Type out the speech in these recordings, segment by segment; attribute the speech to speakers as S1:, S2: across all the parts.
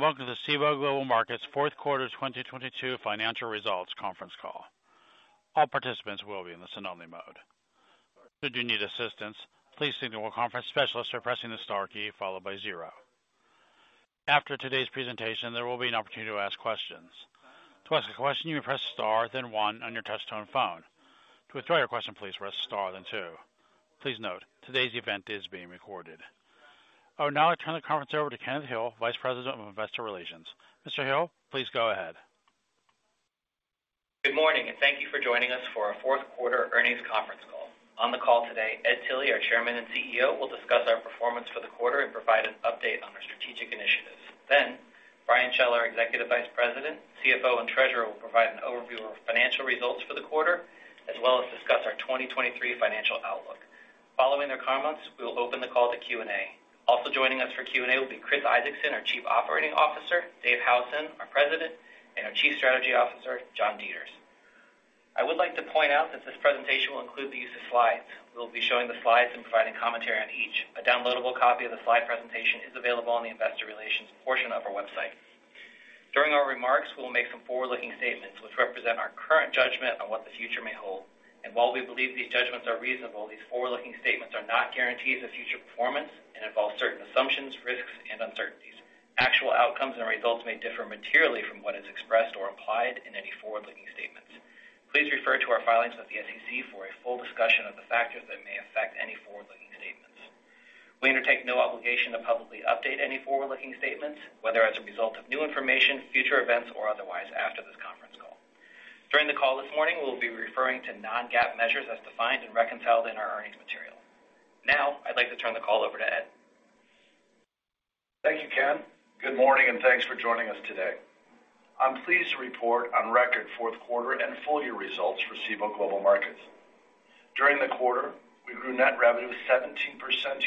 S1: Hello, welcome to the Cboe Global Markets Fourth Quarter 2022 Financial Results Conference Call. All participants will be in listen only mode. Should you need assistance, please signal a conference specialist by pressing the star key followed by zero. After today's presentation, there will be an opportunity to ask questions. To ask a question, you may press star then one on your touchtone phone. To withdraw your question, please press star then two. Please note, today's event is being recorded. I will now turn the conference over to Kenneth Hill, Vice President of Investor Relations. Mr. Hill, please go ahead.
S2: Good morning. Thank you for joining us for our fourth quarter earnings conference call. On the call today, Edward Tilly, our Chairman and CEO, will discuss our performance for the quarter and provide an update on our strategic initiatives. Brian Schell, our Executive Vice President, CFO, and Treasurer, will provide an overview of financial results for the quarter as well as discuss our 2023 financial outlook. Following their comments, we will open the call to Q&A. Also joining us for Q&A will be Chris Isaacson, our Chief Operating Officer, Dave Howson, our President, and our Chief Strategy Officer, John Deters. I would like to point out that this presentation will include the use of slides. We'll be showing the slides and providing commentary on each. A downloadable copy of the slide presentation is available on the investor relations portion of our website. During our remarks, we'll make some forward-looking statements which represent our current judgment on what the future may hold. While we believe these judgments are reasonable, these forward-looking statements are not guarantees of future performance and involve certain assumptions, risks, and uncertainties. Actual outcomes and results may differ materially from what is expressed or implied in any forward-looking statements. Please refer to our filings with the SEC for a full discussion of the factors that may affect any forward-looking statements. We undertake no obligation to publicly update any forward-looking statements, whether as a result of new information, future events, or otherwise after this conference call. During the call this morning, we'll be referring to non-GAAP measures as defined and reconciled in our earnings material. I'd like to turn the call over to Ed.
S3: Thank you, Ken. Good morning, thanks for joining us today. I'm pleased to report on record fourth quarter and full year results for Cboe Global Markets. During the quarter, we grew net revenue 17%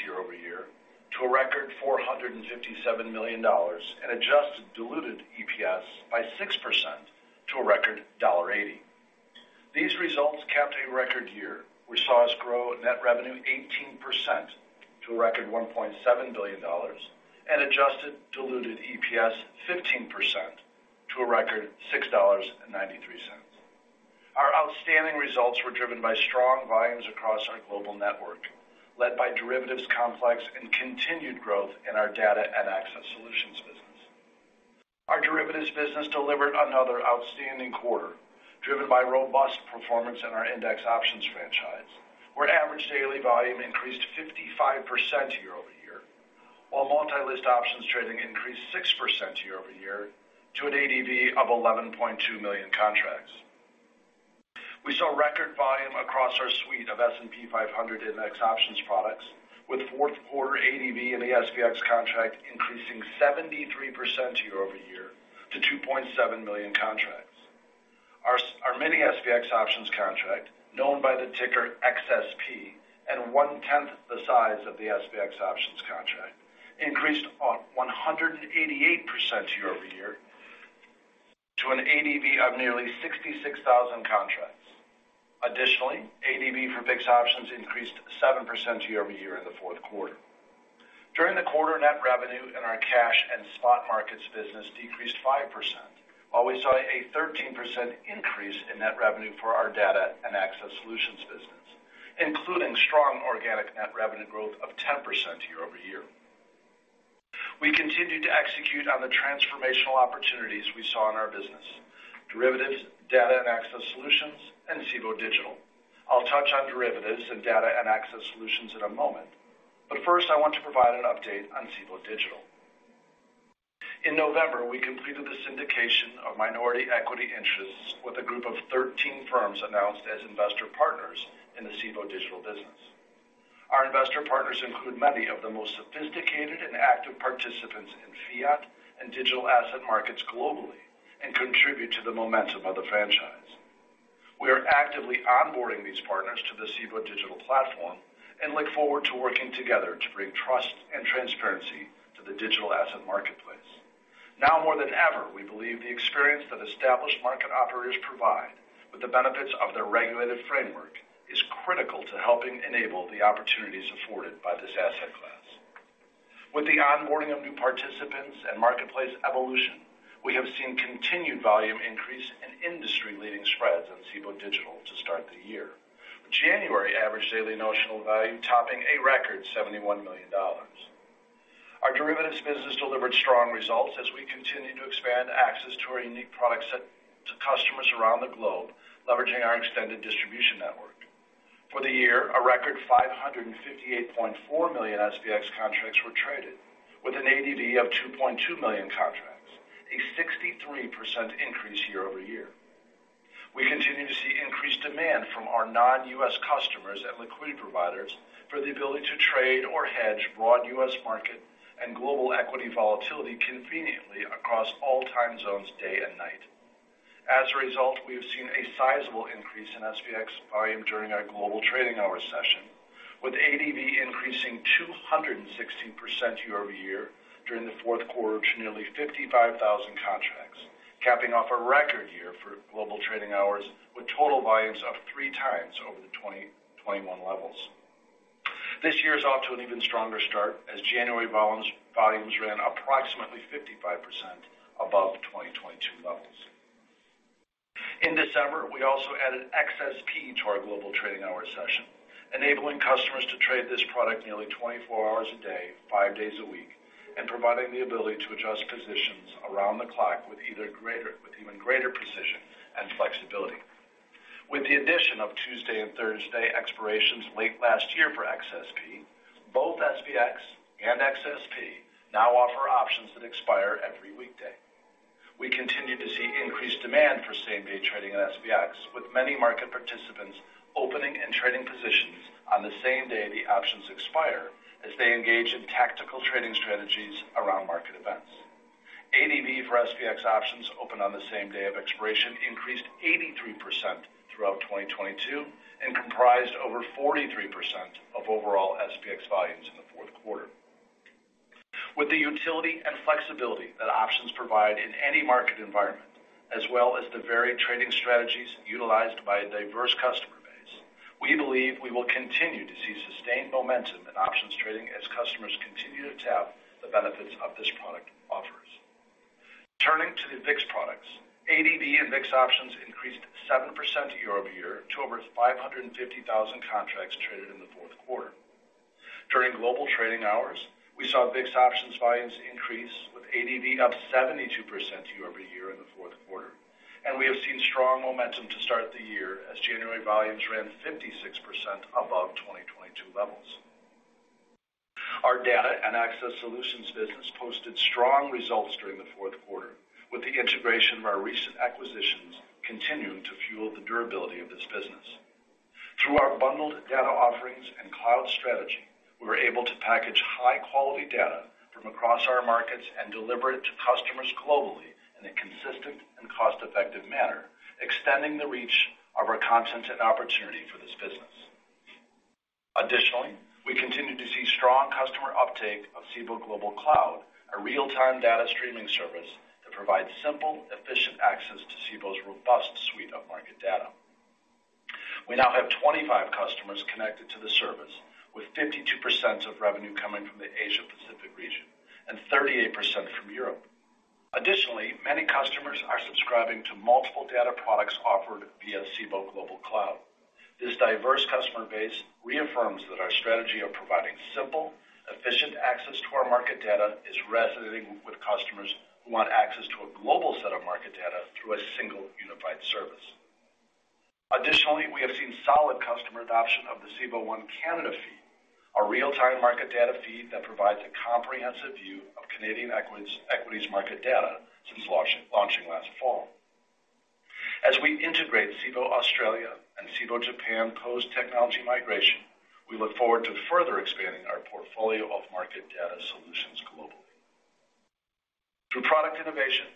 S3: year-over-year to a record $457 million and adjusted diluted EPS by 6% to a record $1.80. These results capped a record year which saw us grow net revenue 18% to a record $1.7 billion and adjusted diluted EPS 15% to a record $6.93. Our outstanding results were driven by strong volumes across our global network, led by derivatives complex and continued growth in our data and access solutions business. Our derivatives business delivered another outstanding quarter, driven by robust performance in our index options franchise, where average daily volume increased 55% year-over-year, while multi-list options trading increased 6% year-over-year to an ADV of 11.2 million contracts. We saw record volume across our suite of S&P 500 index options products, with fourth quarter ADV in the SPX contract increasing 73% year-over-year to 2.7 million contracts. Our mini SPX options contract, known by the ticker XSP and one-tenth the size of the SPX options contract, increased 188% year-over-year to an ADV of nearly 66,000 contracts. Additionally, ADV for VIX options increased 7% year-over-year in the fourth quarter. During the quarter, net revenue in our cash and spot markets business decreased 5%, while we saw a 13% increase in net revenue for our data and access solutions business, including strong organic net revenue growth of 10% year-over-year. We continued to execute on the transformational opportunities we saw in our business, derivatives, data and access solutions, and Cboe Digital. I'll touch on derivatives and data and access solutions in a moment, but first, I want to provide an update on Cboe Global. In November, we completed the syndication of minority equity interests with a group of 13 firms announced as investor partners in the Cboe Digital business. Our investor partners include many of the most sophisticated and active participants in fiat and digital asset markets globally and contribute to the momentum of the franchise. We are actively onboarding these partners to the Cboe Digital platform and look forward to working together to bring trust and transparency to the digital asset marketplace. Now more than ever, we believe the experience that established market operators provide with the benefits of their regulated framework is critical to helping enable the opportunities afforded by this asset class. With the onboarding of new participants and marketplace evolution, we have seen continued volume increase and industry-leading spreads on Cboe Digital to start the year. January average daily notional value topping a record $71 million. Our derivatives business delivered strong results as we continue to expand access to our unique product set to customers around the globe, leveraging our extended distribution network. For the year, a record 558.4 million SPX contracts were traded with an ADV of 2.2 million contracts, a 63% increase year-over-year. We continue to see increased demand from our non-U.S. customers and liquidity providers for the ability to trade or hedge broad U.S. market and global equity volatility conveniently across all time zones day and night. As a result, we have seen a sizable increase in SPX volume during our Global Trading Hours session, with ADV increasing 216% year-over-year during the fourth quarter to nearly 55,000 contracts, capping off a record year for Global Trading Hours with total volumes up three times over the 2021 levels. This year is off to an even stronger start as January volumes ran approximately 55% above 2022 levels. In December, we also added XSP to our Global Trading Hours session, enabling customers to trade this product nearly 24 hours a day, four days a week, and providing the ability to adjust positions around the clock with even greater precision and flexibility. With the addition of Tuesday and Thursday expirations late last year for XSP, both SPX and XSP now offer options that expire every weekday. We continue to see increased demand for same-day trading on SPX, with many market participants opening and trading positions on the same day the options expire as they engage in tactical trading strategies around market events. ADV for SPX options opened on the same day of expiration increased 83% throughout 2022 and comprised over 43% of overall SPX volumes in the fourth quarter. With the utility and flexibility that options provide in any market environment, as well as the varied trading strategies utilized by a diverse customer base, we believe we will continue to see sustained momentum in options trading as customers continue to tap the benefits of this product offers. Turning to the VIX products, ADV and VIX options increased 7% year-over-year to over 550,000 contracts traded in the fourth quarter. During Global Trading Hours, we saw VIX options volumes increase, with ADV up 72% year-over-year in the fourth quarter, and we have seen strong momentum to start the year as January volumes ran 56% above 2022 levels. Our data and access solutions business posted strong results during the fourth quarter, with the integration of our recent acquisitions continuing to fuel the durability of this business. Through our bundled data offerings and cloud strategy, we were able to package high quality data from across our markets and deliver it to customers globally in a consistent and cost-effective manner, extending the reach of our content and opportunity for this business. Additionally, we continue to see strong customer uptake of Cboe Global Cloud, a real-time data streaming service that provides simple, efficient access to Cboe's robust suite of market data. We now have 25 customers connected to the service, with 52% of revenue coming from the Asia Pacific region and 38% from Europe. Additionally, many customers are subscribing to multiple data products offered via Cboe Global Cloud. This diverse customer base reaffirms that our strategy of providing simple, efficient access to our market data is resonating with customers who want access to a global set of market data through a single unified service. Additionally, we have seen solid customer adoption of the Cboe One Canada Feed, a real-time market data feed that provides a comprehensive view of Canadian equities market data since launching last fall. As we integrate Cboe Australia and Cboe Japan post-technology migration, we look forward to further expanding our portfolio of market data solutions globally. Through product innovation,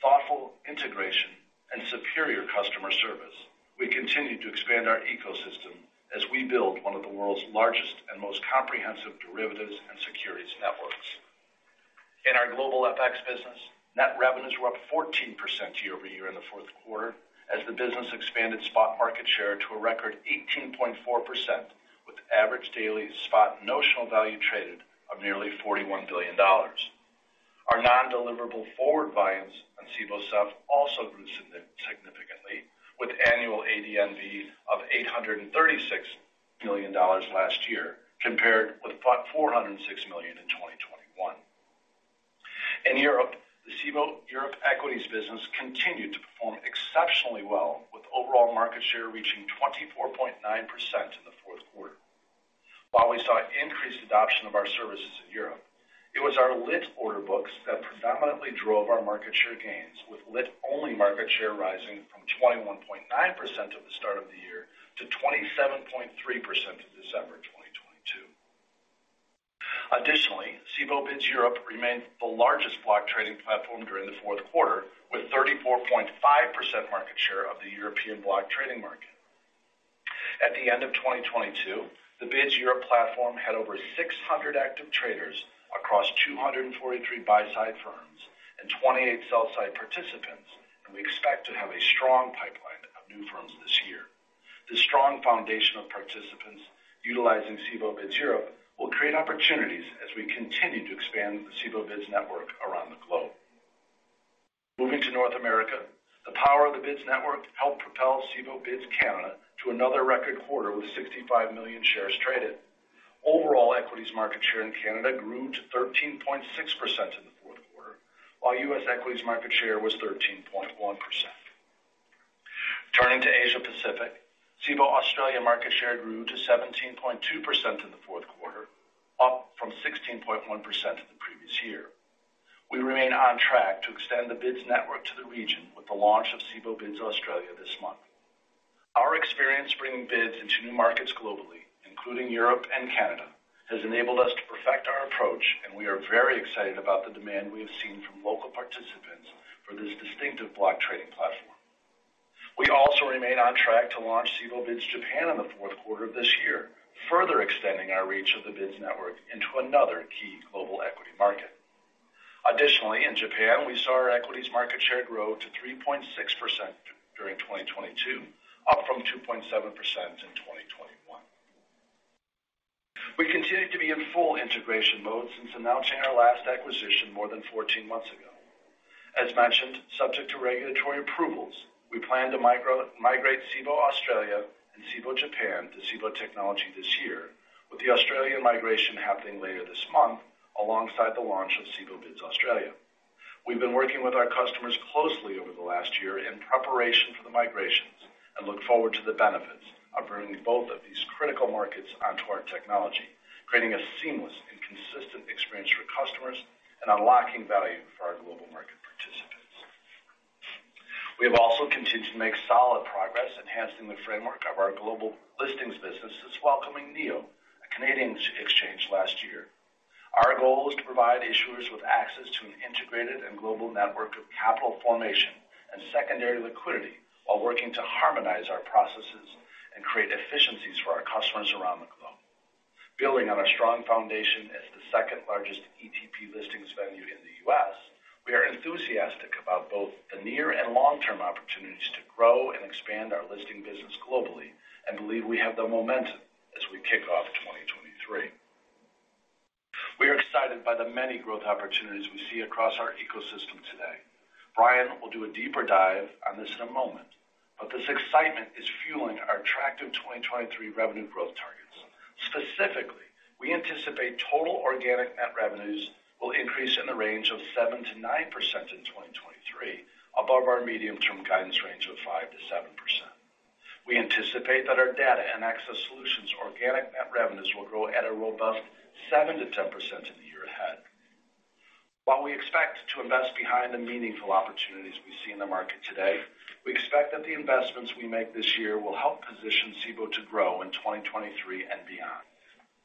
S3: thoughtful integration, and superior customer service, we continue to expand our ecosystem as we build one of the world's largest and most comprehensive derivatives and securities networks. In our global FX business, net revenues were up 14% year-over-year in the fourth quarter as the business expanded spot market share to a record 18.4%, with average daily spot notional value traded of nearly $41 billion. Our non-deliverable forward volumes on Cboe SEF also grew significantly, with annual ADNV of $836 million last year, compared with $406 million in 2021. In Europe, the Cboe Europe Equities business continued to perform exceptionally well, with overall market share reaching 24.9% in the fourth quarter. While we saw increased adoption of our services in Europe, it was our lit order books that predominantly drove our market share gains, with lit-only market share rising from 21.9% at the start of the year to 27.3% in December 2022. Cboe BIDS Europe remained the largest block trading platform during the fourth quarter, with 34.5% market share of the European block trading market. At the end of 2022, the Cboe BIDS Europe platform had over 600 active traders across 243 buy side firms and 28 sell side participants. We expect to have a strong pipeline of new firms this year. This strong foundation of participants utilizing Cboe BIDS Europe will create opportunities as we continue to expand the Cboe BIDS network around the globe. Moving to North America, the power of the BIDS network helped propel Cboe BIDS Canada to another record quarter with 65 million shares traded. Overall, equities market share in Canada grew to 13.6% in the fourth quarter, while U.S. equities market share was 13.1%. Turning to Asia Pacific, Cboe Australia market share grew to 17.2% in the fourth quarter, up from 16.1% the previous year. We remain on track to extend the Bids network to the region with the launch of Cboe BIDS Australia this month. Our experience bringing Bids into new markets globally, including Europe and Canada, has enabled us to perfect our approach, and we are very excited about the demand we have seen from local participants for this distinctive block trading platform. We also remain on track to launch Cboe BIDS Japan in the fourth quarter of this year, further extending our reach of the BIDS network into another key global equity market. Additionally, in Japan, we saw our equities market share grow to 3.6% during 2022, up from 2.7% in 2021. We continue to be in full integration mode since announcing our last acquisition more than 14 months ago. As mentioned, subject to regulatory approvals, we plan to migrate Cboe Australia and Cboe Japan to Cboe technology this year, with the Australian migration happening later this month alongside the launch of Cboe BIDS Australia. We've been working with our customers closely over the last year in preparation for the migrations and look forward to the benefits of bringing both of these critical markets onto our technology, creating a seamless and consistent experience for customers and unlocking value for our global market participants. We have also continued to make solid progress enhancing the framework of our global listings business since welcoming NEO, a Canadian exchange last year. Our goal is to provide issuers with access to an integrated and global network of capital formation and secondary liquidity while working to harmonize our processes and create efficiencies for our customers around the globe. Building on a strong foundation as the second-largest ETP listings venue in the U.S., we are enthusiastic about both the near and long-term opportunities to grow and expand our listing business globally and believe we have the momentum as we kick off 2023. We are excited by the many growth opportunities we see across our ecosystem today. Brian will do a deeper dive on this in a moment, This excitement is fueling our attractive 2023 revenue growth targets. Specifically, we anticipate total organic net revenues will increase in the range of 7%-9% in 2023, above our medium-term guidance range of 5%-7%. We anticipate that our data and access solutions organic net revenues will grow at a robust 7%-10% in the year ahead. While we expect to invest behind the meaningful opportunities we see in the market today, we expect that the investments we make this year will help position Cboe to grow in 2023 and beyond.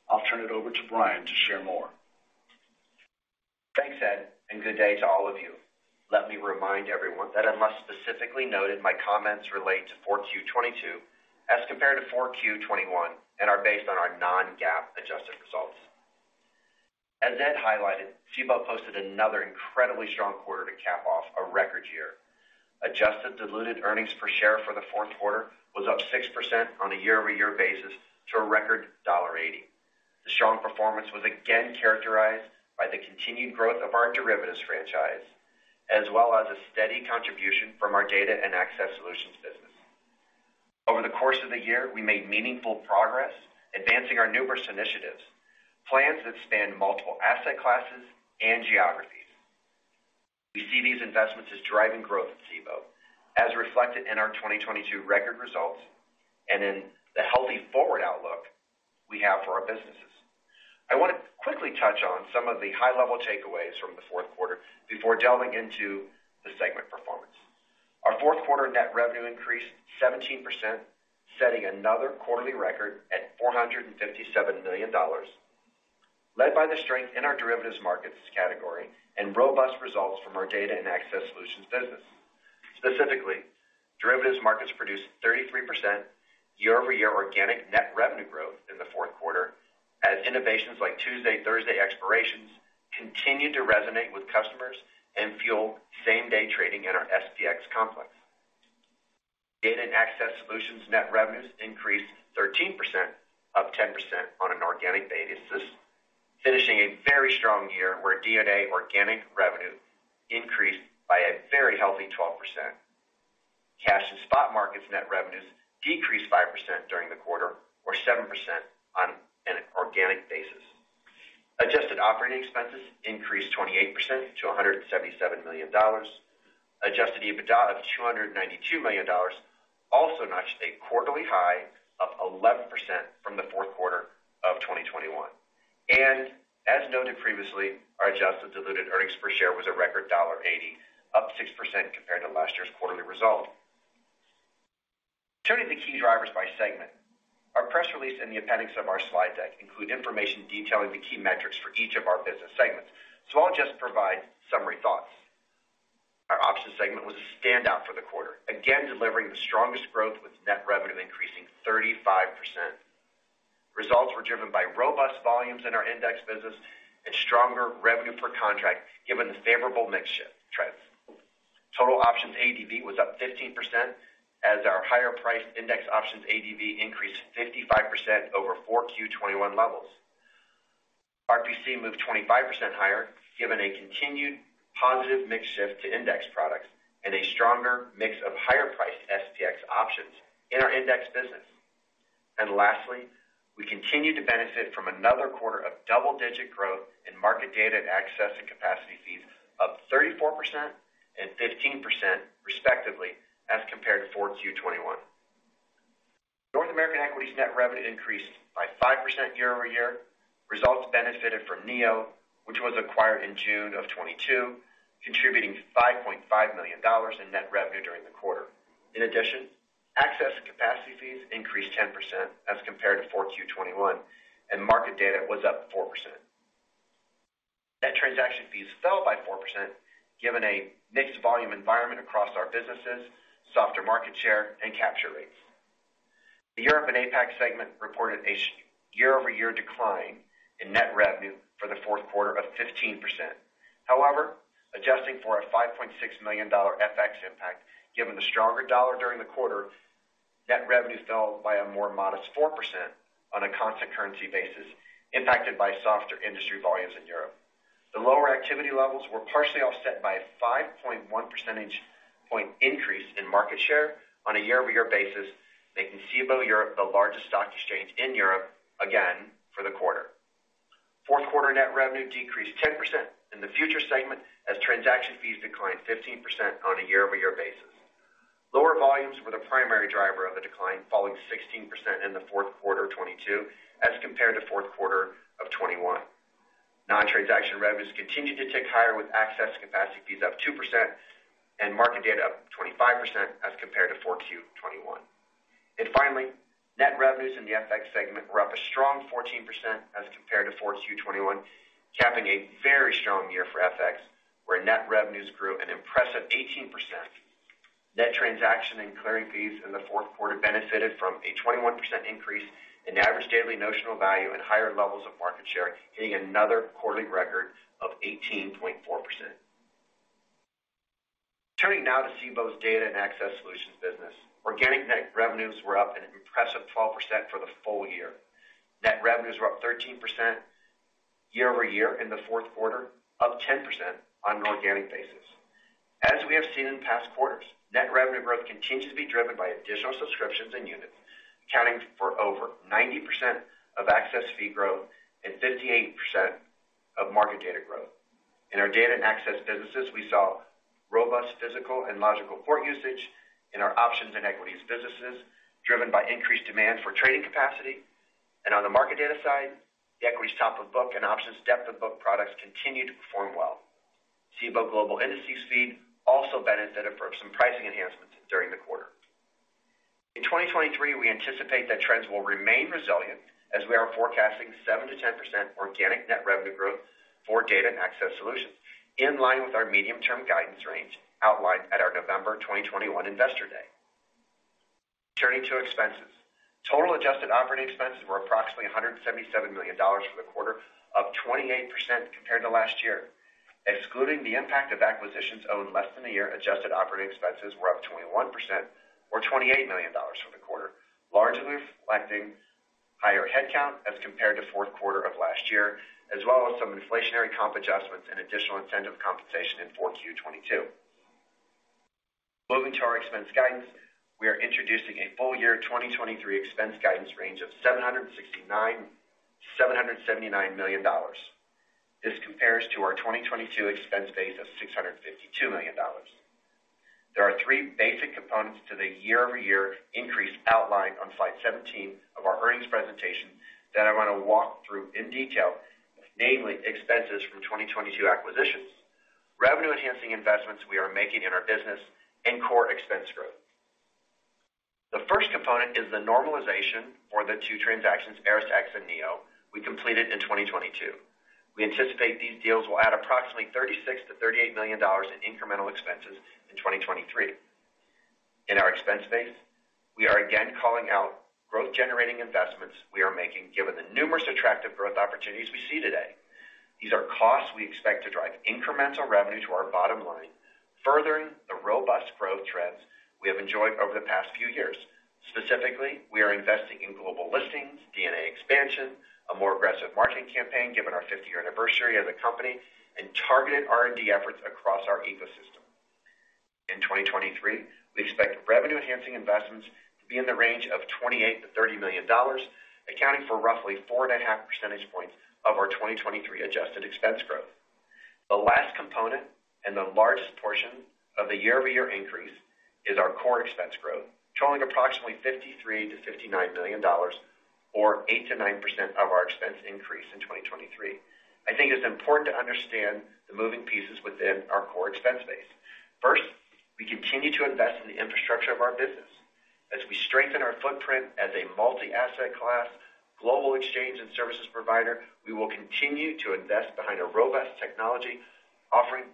S3: I'll turn it over to Brian to share more.
S4: Thanks, Ed. Good day to all of you. Let me remind everyone that unless specifically noted, my comments relate to 4Q 2022 as compared to 4Q 2021 and are based on our non-GAAP adjusted results. As Ed highlighted, Cboe posted another incredibly strong quarter to cap off a record year. Adjusted diluted earnings per share for the fourth quarter was up 6% on a year-over-year basis to a record $1.80. The strong performance was again characterized by the continued growth of our derivatives franchise, as well as a steady contribution from our data and access solutions business. Over the course of the year, we made meaningful progress advancing our numerous initiatives, plans that span multiple asset classes and geographies. We see these investments as driving growth at Cboe, as reflected in our 2022 record results and in the healthy forward outlook we have for our businesses. I wanna quickly touch on some of the high-level takeaways from the fourth quarter before delving into the segment performance. Our fourth quarter net revenue increased 17%, setting another quarterly record at $457 million, led by the strength in our derivatives markets category and robust results from our data and access solutions business. Specifically, derivatives markets produced 33% year-over-year organic net revenue growth in the fourth quarter as innovations like Tuesday, Thursday expirations continued to resonate with customers and fuel same-day trading in our SPX complex. Data and access solutions net revenues increased 13%, up 10% on an organic basis, finishing a very strong year where D&A organic revenue increased by a very healthy 12%. Cash and spot markets net revenues decreased 5% during the quarter, or 7% on an organic basis. Adjusted operating expenses increased 28% to $177 million. Adjusted EBITDA of $292 million also notched a quarterly high of 11% from the fourth quarter of 2021. As noted previously, our adjusted diluted earnings per share was a record $1.80, up 6% compared to last year's quarterly result. Turning to key drivers by segment. Our press release in the appendix of our slide deck include information detailing the key metrics for each of our business segments, so I'll just provide summary thoughts. Our options segment was a standout for the quarter, again, delivering the strongest growth with net revenue increasing 35%. Results were driven by robust volumes in our index business and stronger revenue per contract, given the favorable mix shift trends. Total options ADV was up 15% as our higher-priced index options ADV increased 55% over 4Q 2021 levels. RPC moved 25% higher given a continued positive mix shift to index products and a stronger mix of higher-priced SPX options in our index business. Lastly, we continue to benefit from another quarter of double-digit growth in market data and access and capacity fees, up 34% and 15% respectively as compared to 4Q 2021. North American Equities net revenue increased by 5% year-over-year. Results benefited from NEO, which was acquired in June of 2022, contributing to $5.5 million in net revenue during the quarter. Access and capacity fees increased 10% as compared to 4Q 2021, and market data was up 4%. Net transaction fees fell by 4% given a mixed volume environment across our businesses, softer market share, and capture rates. The Europe and APAC segment reported a year-over-year decline in net revenue for the fourth quarter of 15%. Adjusting for a $5.6 million FX impact, given the stronger dollar during the quarter, net revenue fell by a more modest 4% on a constant currency basis, impacted by softer industry volumes in Europe. The lower activity levels were partially offset by a 5.1 percentage point increase in market share on a year-over-year basis, making Cboe Europe the largest stock exchange in Europe again for the quarter. Fourth quarter net revenue decreased 10% in the future segment as transaction fees declined 15% on a year-over-year basis. Lower volumes were the primary driver of the decline, falling 16% in the fourth quarter of 2022 as compared to fourth quarter of 2021. Nontransaction revenues continued to tick higher with access capacity fees up 2% and market data up 25% as compared to 4Q 2021. Finally, net revenues in the FX segment were up a strong 14% as compared to 4Q 2021, capping a very strong year for FX, where net revenues grew an impressive 18%. Net transaction and clearing fees in the fourth quarter benefited from a 21% increase in average daily notional value and higher levels of market share, hitting another quarterly record of 18.4%. Turning now to Cboe's data and access solutions business. Organic net revenues were up an impressive 12% for the full year. Net revenues were up 13% year-over-year in the fourth quarter, up 10% on an organic basis. As we have seen in past quarters, net revenue growth continues to be driven by additional subscriptions and units, accounting for over 90% of access fee growth and 58% of market data growth. In our data and access businesses, we saw robust physical and logical port usage in our options and equities businesses, driven by increased demand for trading capacity. On the market data side, the equities top of book and options depth of book products continue to perform well. Cboe Global Indices Feed also benefited from some pricing enhancements during the quarter. In 2023, we anticipate that trends will remain resilient as we are forecasting 7%-10% organic net revenue growth for data and access solutions, in line with our medium-term guidance range outlined at our November 2021 investor day. Turning to expenses. Total adjusted operating expenses were approximately $177 million for the quarter, up 28% compared to last year. Excluding the impact of acquisitions owned less than a year, adjusted operating expenses were up 21% or $28 million for the quarter, largely reflecting higher headcount as compared to fourth quarter of last year, as well as some inflationary comp adjustments and additional incentive compensation in 4Q 2022. Moving to our expense guidance. We are introducing a full year 2023 expense guidance range of $769 million-$779 million. This compares to our 2022 expense base of $652 million. There are three basic components to the year-over-year increase outlined on slide 17 of our earnings presentation that I wanna walk through in detail, namely expenses from 2022 acquisitions, revenue-enhancing investments we are making in our business and core expense growth. The first component is the normalization for the two transactions, ErisX and NEO, we completed in 2022. We anticipate these deals will add approximately $36 million-$38 million in incremental expenses in 2023. In our expense base, we are again calling out growth-generating investments we are making given the numerous attractive growth opportunities we see today. These are costs we expect to drive incremental revenue to our bottom line, furthering the robust growth trends we have enjoyed over the past few years. Specifically, we are investing in global listings, D&A expansion, a more aggressive marketing campaign given our 50-year anniversary as a company, and targeted R&D efforts across our ecosystem. In 2023, we expect revenue-enhancing investments to be in the range of $28 million-$30 million, accounting for roughly 4.5 percentage points of our 2023 adjusted expense growth. The last component and the largest portion of the year-over-year increase is our core expense growth, totaling approximately $53 million-$59 million or 8%-9% of our expense increase in 2023. I think it's important to understand the moving pieces within our core expense base. First, we continue to invest in the infrastructure of our business. As we strengthen our footprint as a multi-asset class global exchange and services provider, we will continue to invest behind a robust technology offering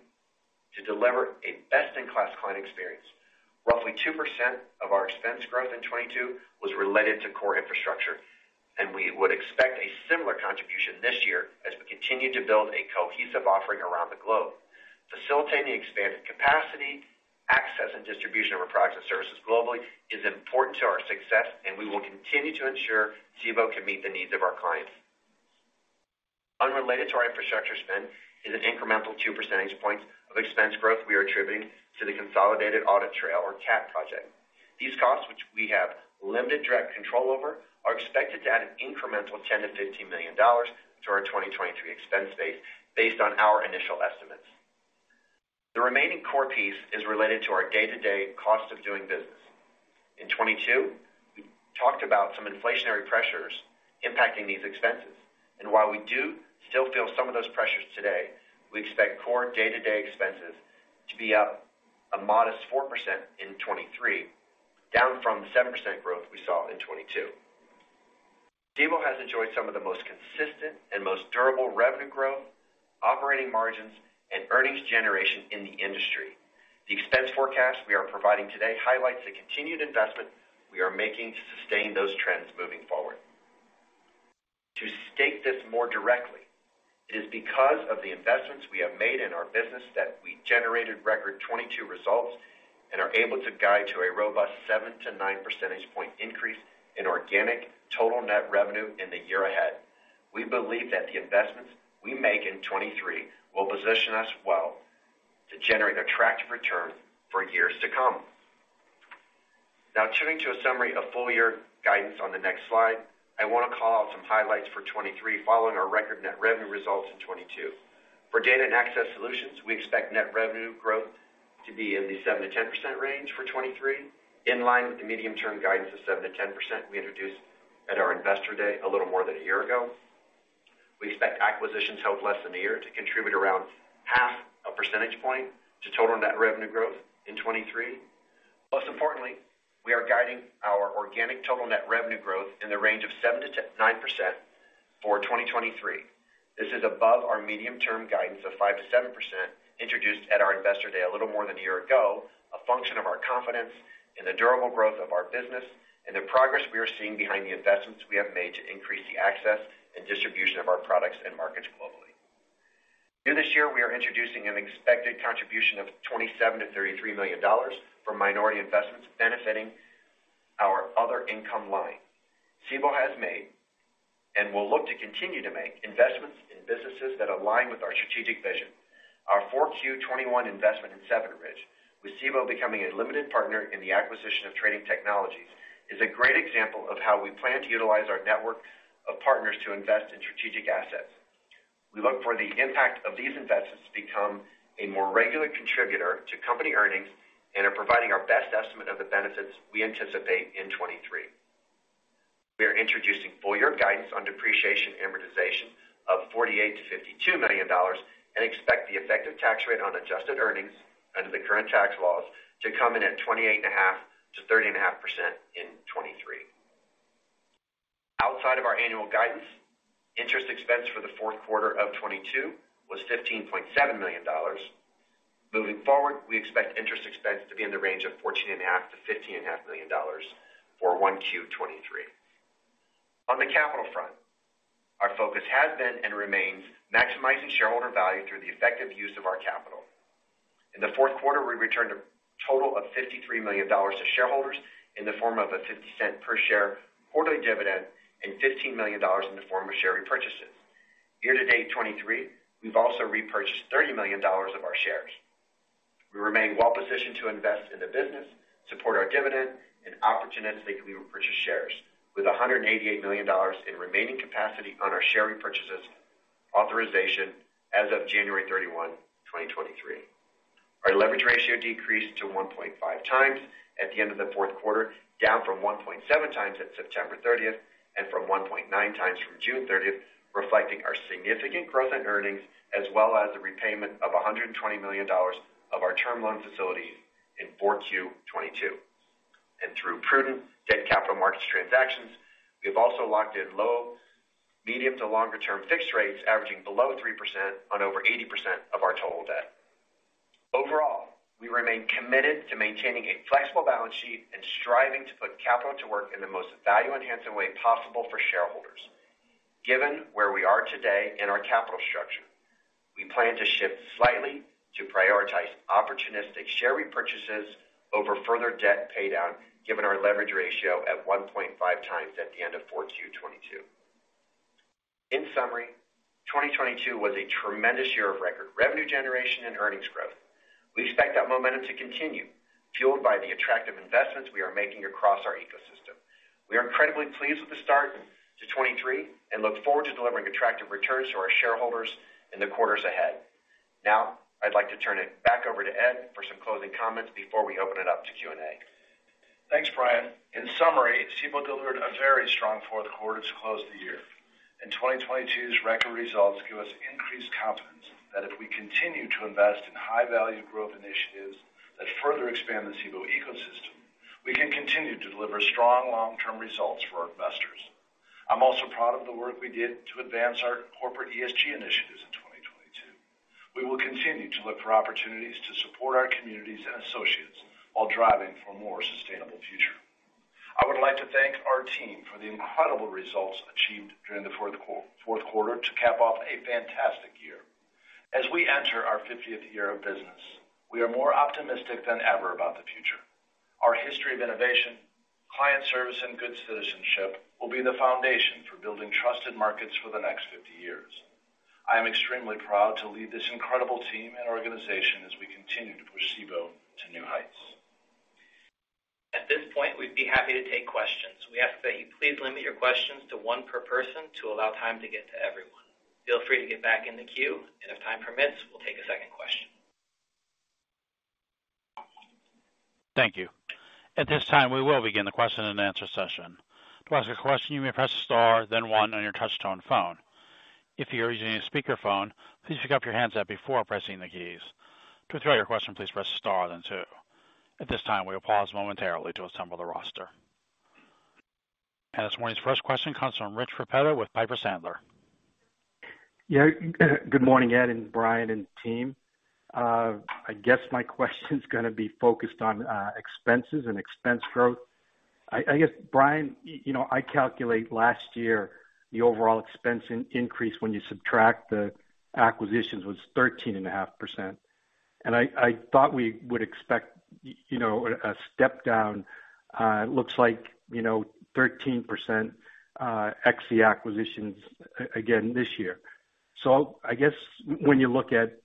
S4: to deliver a best-in-class client experience. Roughly 2% of our expense growth in 2022 was related to core infrastructure. We would expect a similar contribution this year as we continue to build a cohesive offering around the globe. Facilitating expanded capacity, access and distribution of our products and services globally is important to our success. We will continue to ensure Cboe can meet the needs of our clients. Unrelated to our infrastructure spend is an incremental two percentage points of expense growth we are attributing to the Consolidated Audit Trail or CAT project. These costs, which we have limited direct control over, are expected to add an incremental $10 million-$15 million to our 2023 expense base based on our initial estimates. The remaining core piece is related to our day-to-day cost of doing business. In 2022, we talked about some inflationary pressures impacting these expenses. While we do still feel some of those pressures today, we expect core day-to-day expenses to be up a modest 4% in 2023, down from the 7% growth we saw in 2022. Cboe has enjoyed some of the most consistent and most durable revenue growth, operating margins, and earnings generation in the industry. The expense forecast we are providing today highlights the continued investment we are making to sustain those trends moving forward. To state this more directly, it is because of the investments we have made in our business that we generated record 2022 results and are able to guide to a robust seven to nine percentage point increase in organic total net revenue in the year ahead. We believe that the investments we make in 2023 will position us well to generate attractive returns for years to come. Turning to a summary of full-year guidance on the next slide, I want to call out some highlights for 2023 following our record net revenue results in 2022. For data and access solutions, we expect net revenue growth to be in the 7%-10% range for 2023, in line with the medium-term guidance of 7%-10% we introduced at our Investor Day a little more than a year ago. We expect acquisitions held less than a year to contribute around half a percentage point to total net revenue growth in 2023. Most importantly, we are guiding our organic total net revenue growth in the range of 7%-9% for 2023. This is above our medium-term guidance of 5%-7% introduced at our Investor Day a little more than a year ago, a function of our confidence in the durable growth of our business and the progress we are seeing behind the investments we have made to increase the access and distribution of our products and markets globally. New this year, we are introducing an expected contribution of $27 million-$33 million for minority investments benefiting our other income line. Cboe has made, and will look to continue to make, investments in businesses that align with our strategic vision. Our 4Q 2021 investment in 7RIDGE, with Cboe becoming a limited partner in the acquisition of Trading Technologies, is a great example of how we plan to utilize our network of partners to invest in strategic assets. We look for the impact of these investments to become a more regular contributor to company earnings and are providing our best estimate of the benefits we anticipate in 2023. We are introducing full-year guidance on depreciation and amortization of $48 million-$52 million and expect the effective tax rate on adjusted earnings under the current tax laws to come in at 28.5%-30.5% in 2023. Outside of our annual guidance, interest expense for the fourth quarter of 2022 was $15.7 million. Moving forward, we expect interest expense to be in the range of $14.5 million-$15.5 million for 1Q 2023. On the capital front, our focus has been and remains maximizing shareholder value through the effective use of our capital. In the fourth quarter, we returned a total of $53 million to shareholders in the form of a $0.50 per share quarterly dividend and $15 million in the form of share repurchases. Year-to-date 2023, we've also repurchased $30 million of our shares. We remain well positioned to invest in the business, support our dividend, and opportunistically repurchase shares with $188 million in remaining capacity on our share repurchases authorization as of January 31, 2023. Our leverage ratio decreased to 1.5x at the end of the fourth quarter, down from 1.7 times at September 30th and from 1.9 times from June 30th, reflecting our significant growth in earnings as well as the repayment of $120 million of our term loan facility in 4Q 2022. Through prudent debt capital markets transactions, we have also locked in low, medium to longer term fixed rates averaging below 3% on over 80% of our total debt. Overall, we remain committed to maintaining a flexible balance sheet and striving to put capital to work in the most value-enhancing way possible for shareholders. Given where we are today in our capital structure, we plan to shift slightly to prioritize opportunistic share repurchases over further debt paydown, given our leverage ratio at 1.5x at the end of 4Q 2022. In summary, 2022 was a tremendous year of record revenue generation and earnings growth. We expect that momentum to continue, fueled by the attractive investments we are making across our ecosystem. We are incredibly pleased with the start to 2023 and look forward to delivering attractive returns to our shareholders in the quarters ahead. Now, I'd like to turn it back over to Ed for some closing comments before we open it up to Q&A.
S3: Thanks, Brian. In summary, Cboe delivered a very strong fourth quarter to close the year. 2022 record results give us increased confidence that if we continue to invest in high-value growth initiatives that further expand the Cboe ecosystem, we can continue to deliver strong long-term results for our investors. I'm also proud of the work we did to advance our corporate ESG initiatives in 2022. We will continue to look for opportunities to support our communities and associates while driving for a more sustainable future. I would like to thank our team for the incredible results achieved during the fourth quarter to cap off a fantastic year. As we enter our 50th year of business, we are more optimistic than ever about the future. Our history of innovation, client service, and good citizenship will be the foundation for building trusted markets for the next 50 years. I am extremely proud to lead this incredible team and organization as we continue to push Cboe to new heights.
S2: At this point, we'd be happy to take questions. We ask that you please limit your questions to one per person to allow time to get to everyone. Feel free to get back in the queue, and if time permits, we'll take a second question.
S1: Thank you. At this time, we will begin the question-and-answer session. To ask a question, you may press star then one on your touchtone phone. If you're using a speakerphone, please pick up your handset before pressing the keys. To throw your question, please press star then two. At this time, we'll pause momentarily to assemble the roster. This morning's first question comes from Rich Repetto with Piper Sandler.
S5: Yeah. Good morning, Ed and Brian and team. I guess my question's gonna be focused on expenses and expense growth. I guess, Brian, you know, I calculate last year the overall expense increase when you subtract the acquisitions was 13.5%. I thought we would expect, you know, a step down. It looks like 13% ex the acquisitions again this year. I guess when you look at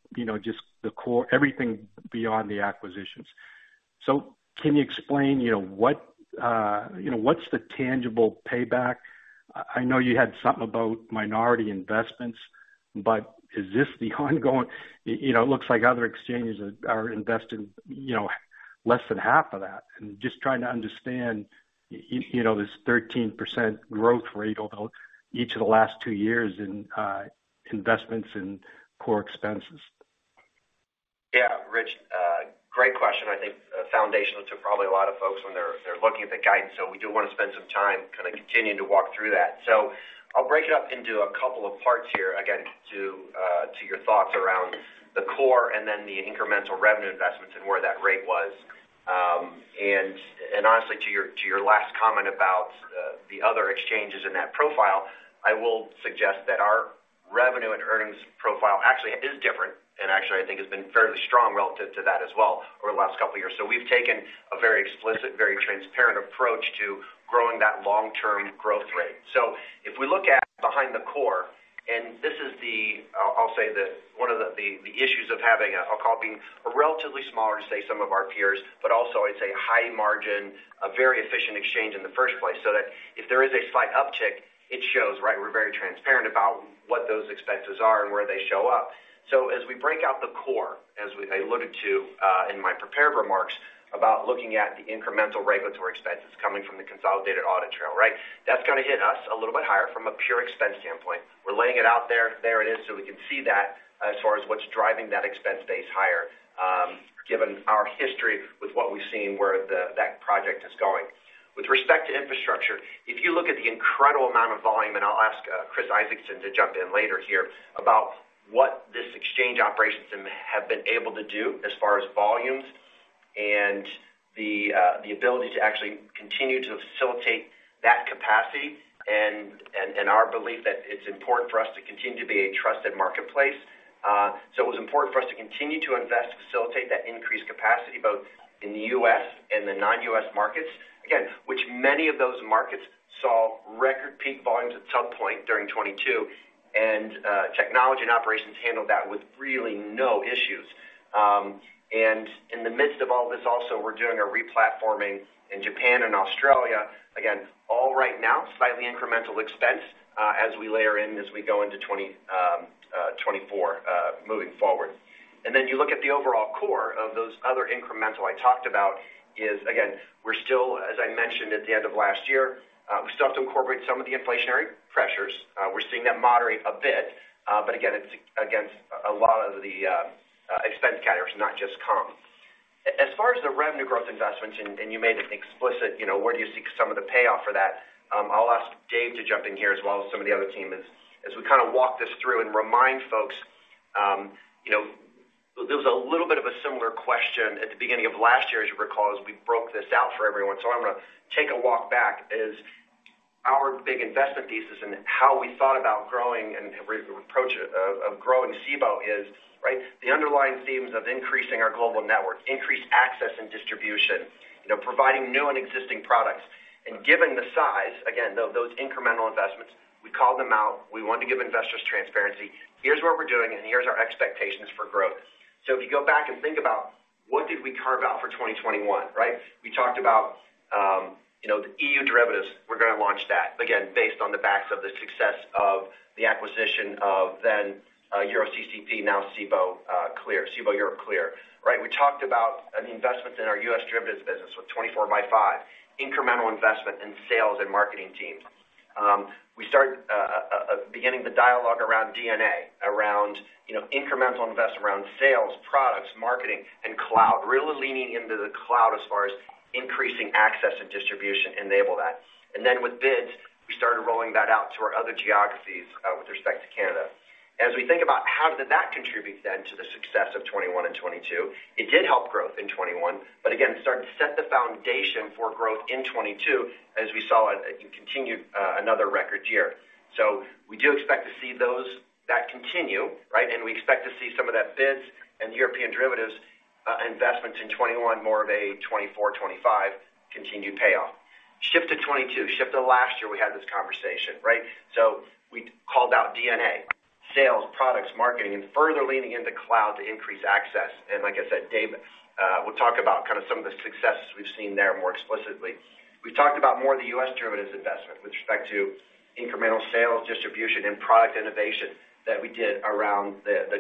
S5: just the core, everything beyond the acquisitions. Can you explain, what's the tangible payback? I know you had something about minority investments, but is this the ongoing. it looks like other exchanges are invested less than half of that. Just trying to understand, you know, this 13% growth rate over each of the last two years in investments and core expenses.
S4: Yeah. Rich, great question. Foundational to probably a lot of folks when they're looking at the guidance. We do wanna spend some time kind of continuing to walk through that. I'll break it up into a couple of parts here, again, to your thoughts around the core and then the incremental revenue investments and where that rate was. Honestly, to your last comment about the other exchanges in that profile, I will suggest that our revenue and earnings profile actually is different, and actually, I think, has been fairly strong relative to that as well over the last couple of years. We've taken a very explicit, very transparent approach to growing that long-term growth rate. If we look at behind the core, this is, I'll say, one of the issues of having, I'll call it, being a relatively smaller to, say, some of our peers. Also, it's a high margin, a very efficient exchange in the first place, that if there is a slight uptick, it shows, right? We're very transparent about what those expenses are and where they show up. As we break out the core, as I alluded to in my prepared remarks about looking at the incremental regulatory expenses coming from the Consolidated Audit Trail, right? That's gonna hit us a little bit higher from a pure expense standpoint. We're laying it out there. There it is. We can see that as far as what's driving that expense base higher, given our history with what we've seen, where that project is going. With respect to infrastructure, if you look at the incredible amount of volume, and I'll ask Chris Isaacson to jump in later here about what this exchange operations have been able to do as far as volumes and the ability to actually continue to facilitate that capacity and our belief that it's important for us to continue to be a trusted marketplace. It was important for us to continue to invest, facilitate that increased capacity both in the U.S. and the non-U.S. markets, again, which many of those markets saw record peak volumes at some point during 2022. Technology and operations handled that with really no issues. In the midst of all this also, we're doing a replatforming in Japan and Australia. Again, all right now, slightly incremental expense, as we layer in as we go into 2024, moving forward. Then you look at the overall core of those other incremental I talked about is, again, we're still, as I mentioned at the end of last year, we still have to incorporate some of the inflationary pressures. We're seeing that moderate a bit, but again, it's against a lot of the expense carriers, not just comm. As far as the revenue growth investments, and you made it explicit, you know, where do you see some of the payoff for that? I'll ask Dave to jump in here as well as some of the other team as we kinda walk this through and remind folks. There was a little bit of a similar question at the beginning of last year, as you recall, as we broke this out for everyone. I'm gonna take a walk back. Is our big investment thesis and how we thought about growing and approach of growing Cboe is, right? The underlying themes of increasing our global network, increased access and distribution, you know, providing new and existing products. Given the size, again, those incremental investments, we called them out. We want to give investors transparency. Here's what we're doing, and here's our expectations for growth. If you go back and think about what did we carve out for 2021. We talked about, you know, the EU derivatives. We're gonna launch that, again, based on the backs of the success of the acquisition of then, EuroCCP, now Cboe Clear Europe, right? We talked about an investment in our U.S. derivatives business with 24 by five, incremental investment in sales and marketing teams. We started beginning the dialogue around D&A, around, you know, incremental investment around sales, products, marketing, and cloud. Really leaning into the cloud as far as increasing access and distribution enable that. With BIDS, we started rolling that out to our other geographies with respect to Canada. We think about how did that contribute then to the success of 2021 and 2022, it did help growth in 2021, but again, started to set the foundation for growth in 2022, as we saw it continued, another record year. We do expect to see that continue, right? We expect to see some of that BIDS Trading and European derivatives investments in 2021, more of a 2024/2025 continued payoff. Shift to 2022. Shift to last year, we had this conversation, right? We called out D&A, sales, products, marketing, and further leaning into cloud to increase access. Like I said, Dave Howson will talk about kind of some of the successes we've seen there more explicitly. We've talked about more of the U.S. derivatives investment with respect to incremental sales, distribution, and product innovation that we did around the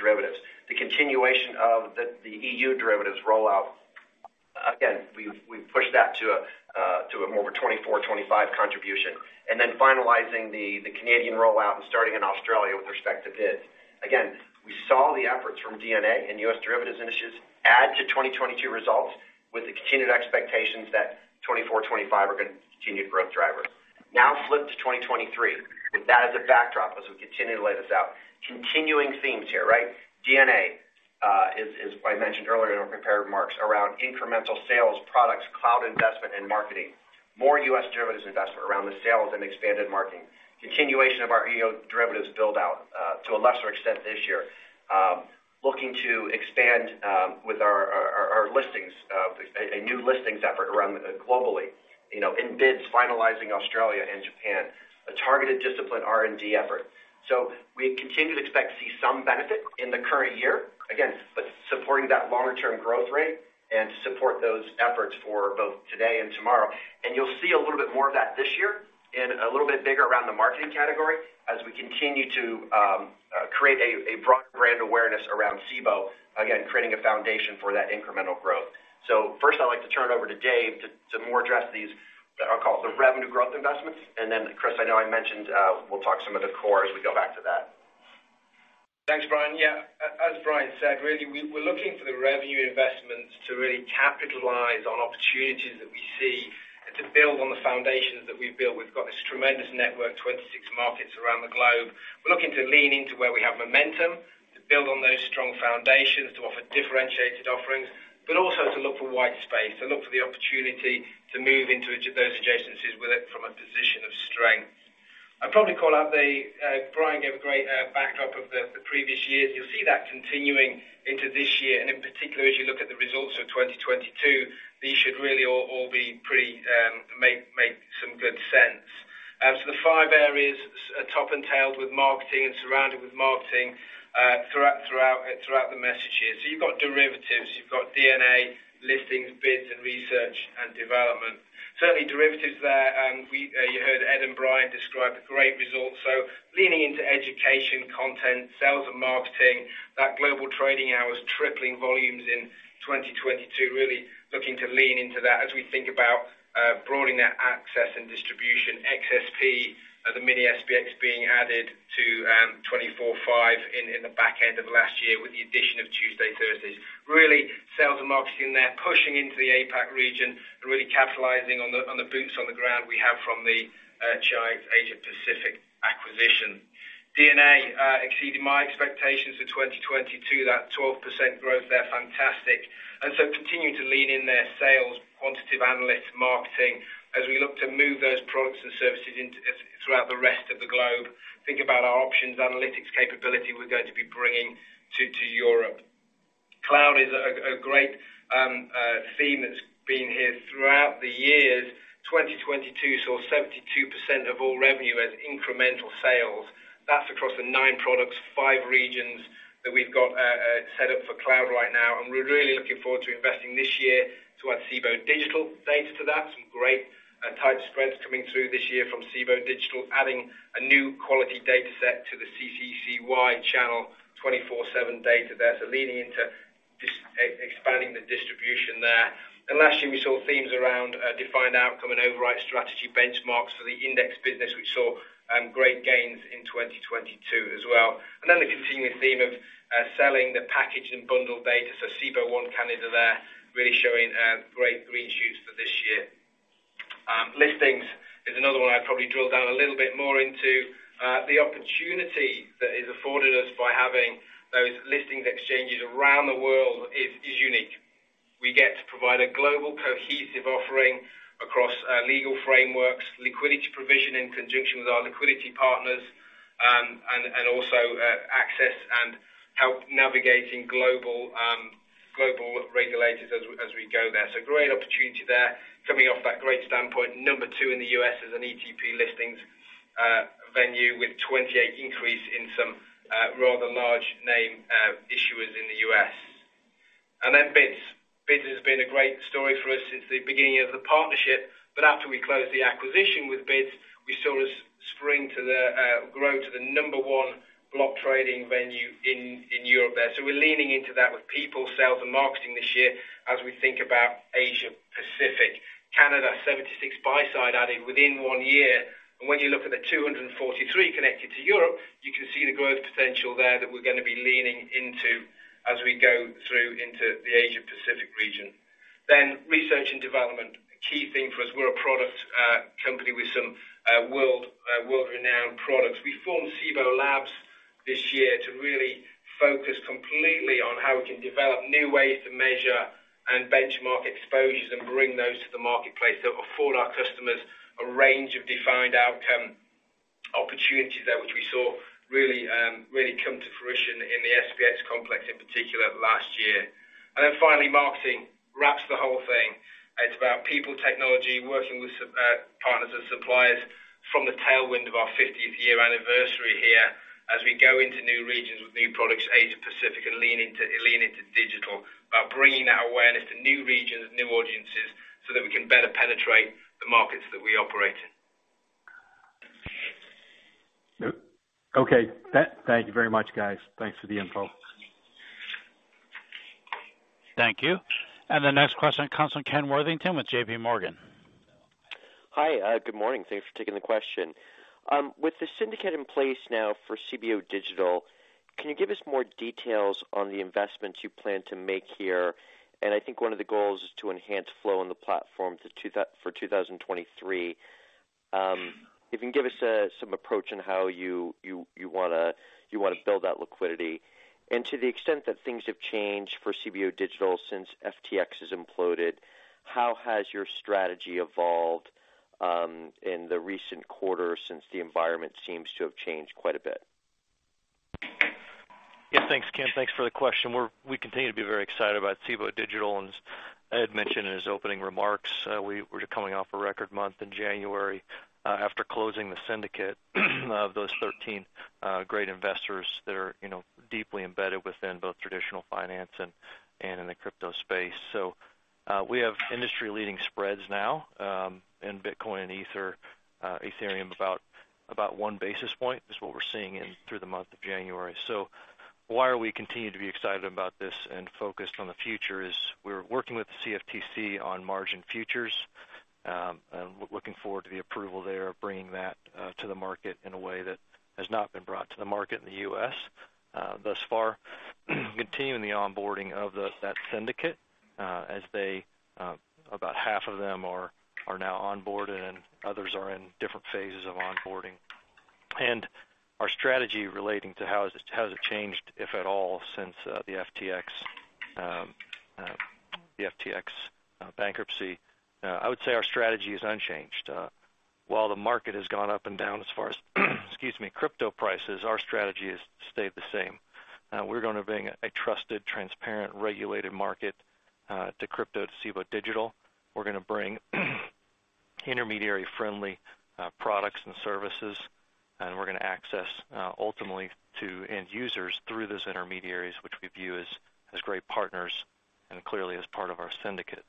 S4: derivatives. The continuation of the EU derivatives rollout. Again, we've pushed that to a more of a 2024, 2025 contribution. Finalizing the Canadian rollout and starting in Australia with respect to BIDS. We saw the efforts from D&A and U.S. derivatives initiatives add to 2022 results with the continued expectations that 2024, 2025 are gonna continue growth drivers. Flip to 2023 with that as a backdrop as we continue to lay this out. Continuing themes here, right. D&A is I mentioned earlier in our prepared marks around incremental sales, products, cloud investment and marketing. More U.S. derivatives investment around the sales and expanded marketing. Continuation of our EU derivatives build-out to a lesser extent this year. Looking to expand with our listings, a new listings effort around globally, you know, in BIDS finalizing Australia and Japan, a targeted discipline R&D effort. We continue to expect to see some benefit in the current year, again, but supporting that longer term growth rate and to support those efforts for both today and tomorrow. You'll see a little bit more of that this year and a little bit bigger around the marketing category as we continue to create a broader brand awareness around Cboe, again, creating a foundation for that incremental growth. First I'd like to turn it over to Dave to more address these, I'll call it the revenue growth investments. Chris, I know I mentioned, we'll talk some of the core as we go back to that.
S6: Thanks, Brian. Yeah, as Brian said, really, we're looking for the revenue investments to really capitalize on opportunities that we see to build on the foundations that we've built. We've got this tremendous network, 26 markets around the globe. We're looking to lean into where we have momentum, to build on those strong foundations, to offer differentiated offerings, but also to look for white space, to look for the opportunity to move into those adjacencies with it from a position of strength. I'd probably call out the, Brian gave a great backdrop of the previous years. You'll see that continuing into this year, and in particular, as you look at the results of 2022, these should really all be pretty, make some good sense. The five areas, top and tail with marketing and surrounded with marketing throughout the messages. You've got derivatives, you've got D&A, listings, BIDS Trading, and research and development. Certainly derivatives there, you heard Ed and Brian describe a great result. Leaning into education, content, sales and marketing, that Global Trading Hours tripling volumes in 2022, really looking to lean into that as we think about broadening that access and distribution. XSP, the mini SPX being added to 24/5 in the back end of last year with the addition of Tuesday, Thursdays. Really sales and marketing there pushing into the APAC region and really capitalizing on the boots on the ground we have from the Chi-X Asia Pacific acquisition. D&A exceeded my expectations for 2022, that 12% growth there, fantastic. Continuing to lean in their sales, quantitative analysts, marketing as we look to move those products and services throughout the rest of the globe. Think about our options analytics capability we're going to be bringing to Europe. Cloud is a great theme that's been here throughout the years. 2022 saw 72% of all revenue as incremental sales. That's across the nine products, five regions that we've got set up for cloud right now. We're really looking forward to investing this year to add Cboe Digital data to that. Some great tight spreads coming through this year from Cboe Digital, adding a new quality data set to the CCCY channel, 24/7 data there. Leaning into expanding the distribution there. Last year we saw themes around defined outcome and override strategy benchmarks for the index business. We saw great gains in 2022 as well. The continuous theme of selling the packaged and bundled data. Cboe One Canada there really showing great green shoots for this year. Listings is another one I'd probably drill down a little bit more into. The opportunity that is afforded us by having those listings exchanges around the world is unique. We get to provide a global cohesive offering across legal frameworks, liquidity provision in conjunction with our liquidity partners, and also access and help navigating global regulators as we go there. Great opportunity there coming off that great standpoint. Number two in the U.S. as an ETP listings venue with 28 increase in some rather large name issuers in the U.S. BIDS. BIDS has been a great story for us since the beginning of the partnership. After we closed the acquisition with BIDS, we saw a spring to the grow to the number 1 block trading venue in Europe there. We're leaning into that with people, sales and marketing this year as we think about Asia Pacific. Canada, 76 buy side added within one year. When you look at the 243 connected to Europe, you can see the growth potential there that we're gonna be leaning into as we go through into the Asia Pacific region. Research and development, a key thing for us. We're a product company with some world-renowned products. We formed Cboe Labs this year to really focus completely on how we can develop new ways to measure and benchmark exposures and bring those to the marketplace that will afford our customers a range of defined outcome opportunities there, which we saw really come to fruition in the SPX complex in particular last year. Then finally, marketing wraps the whole thing. It's about people, technology, working with partners and suppliers from the tailwind of our 50th year anniversary here as we go into new regions with new products, Asia Pacific, and lean into digital by bringing that awareness to new regions, new audiences, so that we can better penetrate the markets that we operate in.
S5: Okay. Thank you very much, guys. Thanks for the info.
S1: Thank you. The next question comes from Ken Worthington with J.P. Morgan.
S7: Hi, good morning. Thanks for taking the question. With the syndicate in place now for Cboe Digital, can you give us more details on the investments you plan to make here? I think one of the goals is to enhance flow on the platform for 2023. If you can give us some approach on how you wanna build that liquidity. To the extent that things have changed for Cboe Digital since FTX has imploded, how has your strategy evolved in the recent quarter since the environment seems to have changed quite a bit?
S8: Yeah. Thanks, Ken. Thanks for the question. We continue to be very excited about Cboe Digital. As Ed mentioned in his opening remarks, we're coming off a record month in January after closing the syndicate of those 13 great investors that are, you know, deeply embedded within both traditional finance and in the crypto space. We have industry-leading spreads now in Bitcoin and Ether, Ethereum, about 1 basis point is what we're seeing in through the month of January. Why are we continuing to be excited about this and focused on the future is we're working with the CFTC on margin futures, and looking forward to the approval there of bringing that to the market in a way that has not been brought to the market in the U.S. thus far. Continuing the onboarding of that syndicate, as they, about half of them are now onboarded and others are in different phases of onboarding. Our strategy relating to how has it changed, if at all, since the FTX bankruptcy. I would say our strategy is unchanged. While the market has gone up and down as far as, excuse me, crypto prices, our strategy has stayed the same. We're gonna bring a trusted, transparent, regulated market to crypto to Cboe Digital. We're gonna bring intermediary-friendly products and services, and we're gonna access ultimately to end users through those intermediaries which we view as great partners and clearly as part of our syndicate.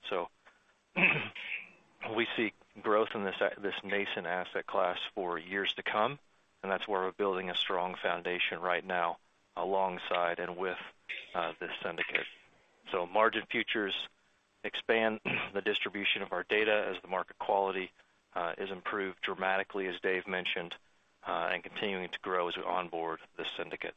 S8: We see growth in this nascent asset class for years to come, and that's why we're building a strong foundation right now alongside and with, The Syndicate. Margin futures expand the distribution of our data as the market quality is improved dramatically, as Dave mentioned, and continuing to grow as we onboard The Syndicate.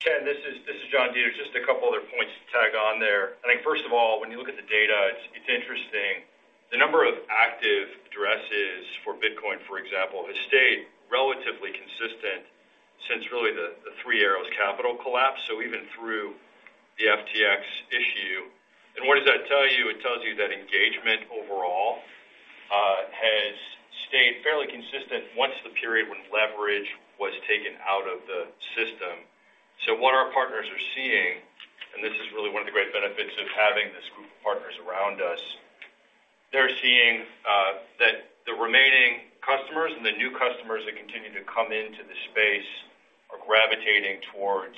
S9: Ken, this is John Deters. Just a couple other points to tag on there. I think, first of all, when you look at the data, it's interesting. The number of active addresses for Bitcoin, for example, has stayed relatively consistent since really the Three Arrows Capital collapse, so even through the FTX issue. What does that tell you? It tells you that engagement overall has stayed fairly consistent once the period when leverage was taken out of the system. What our partners are seeing, and this is really one of the great benefits of having this group of partners around us, they're seeing that the remaining customers and the new customers that continue to come into the space are gravitating towards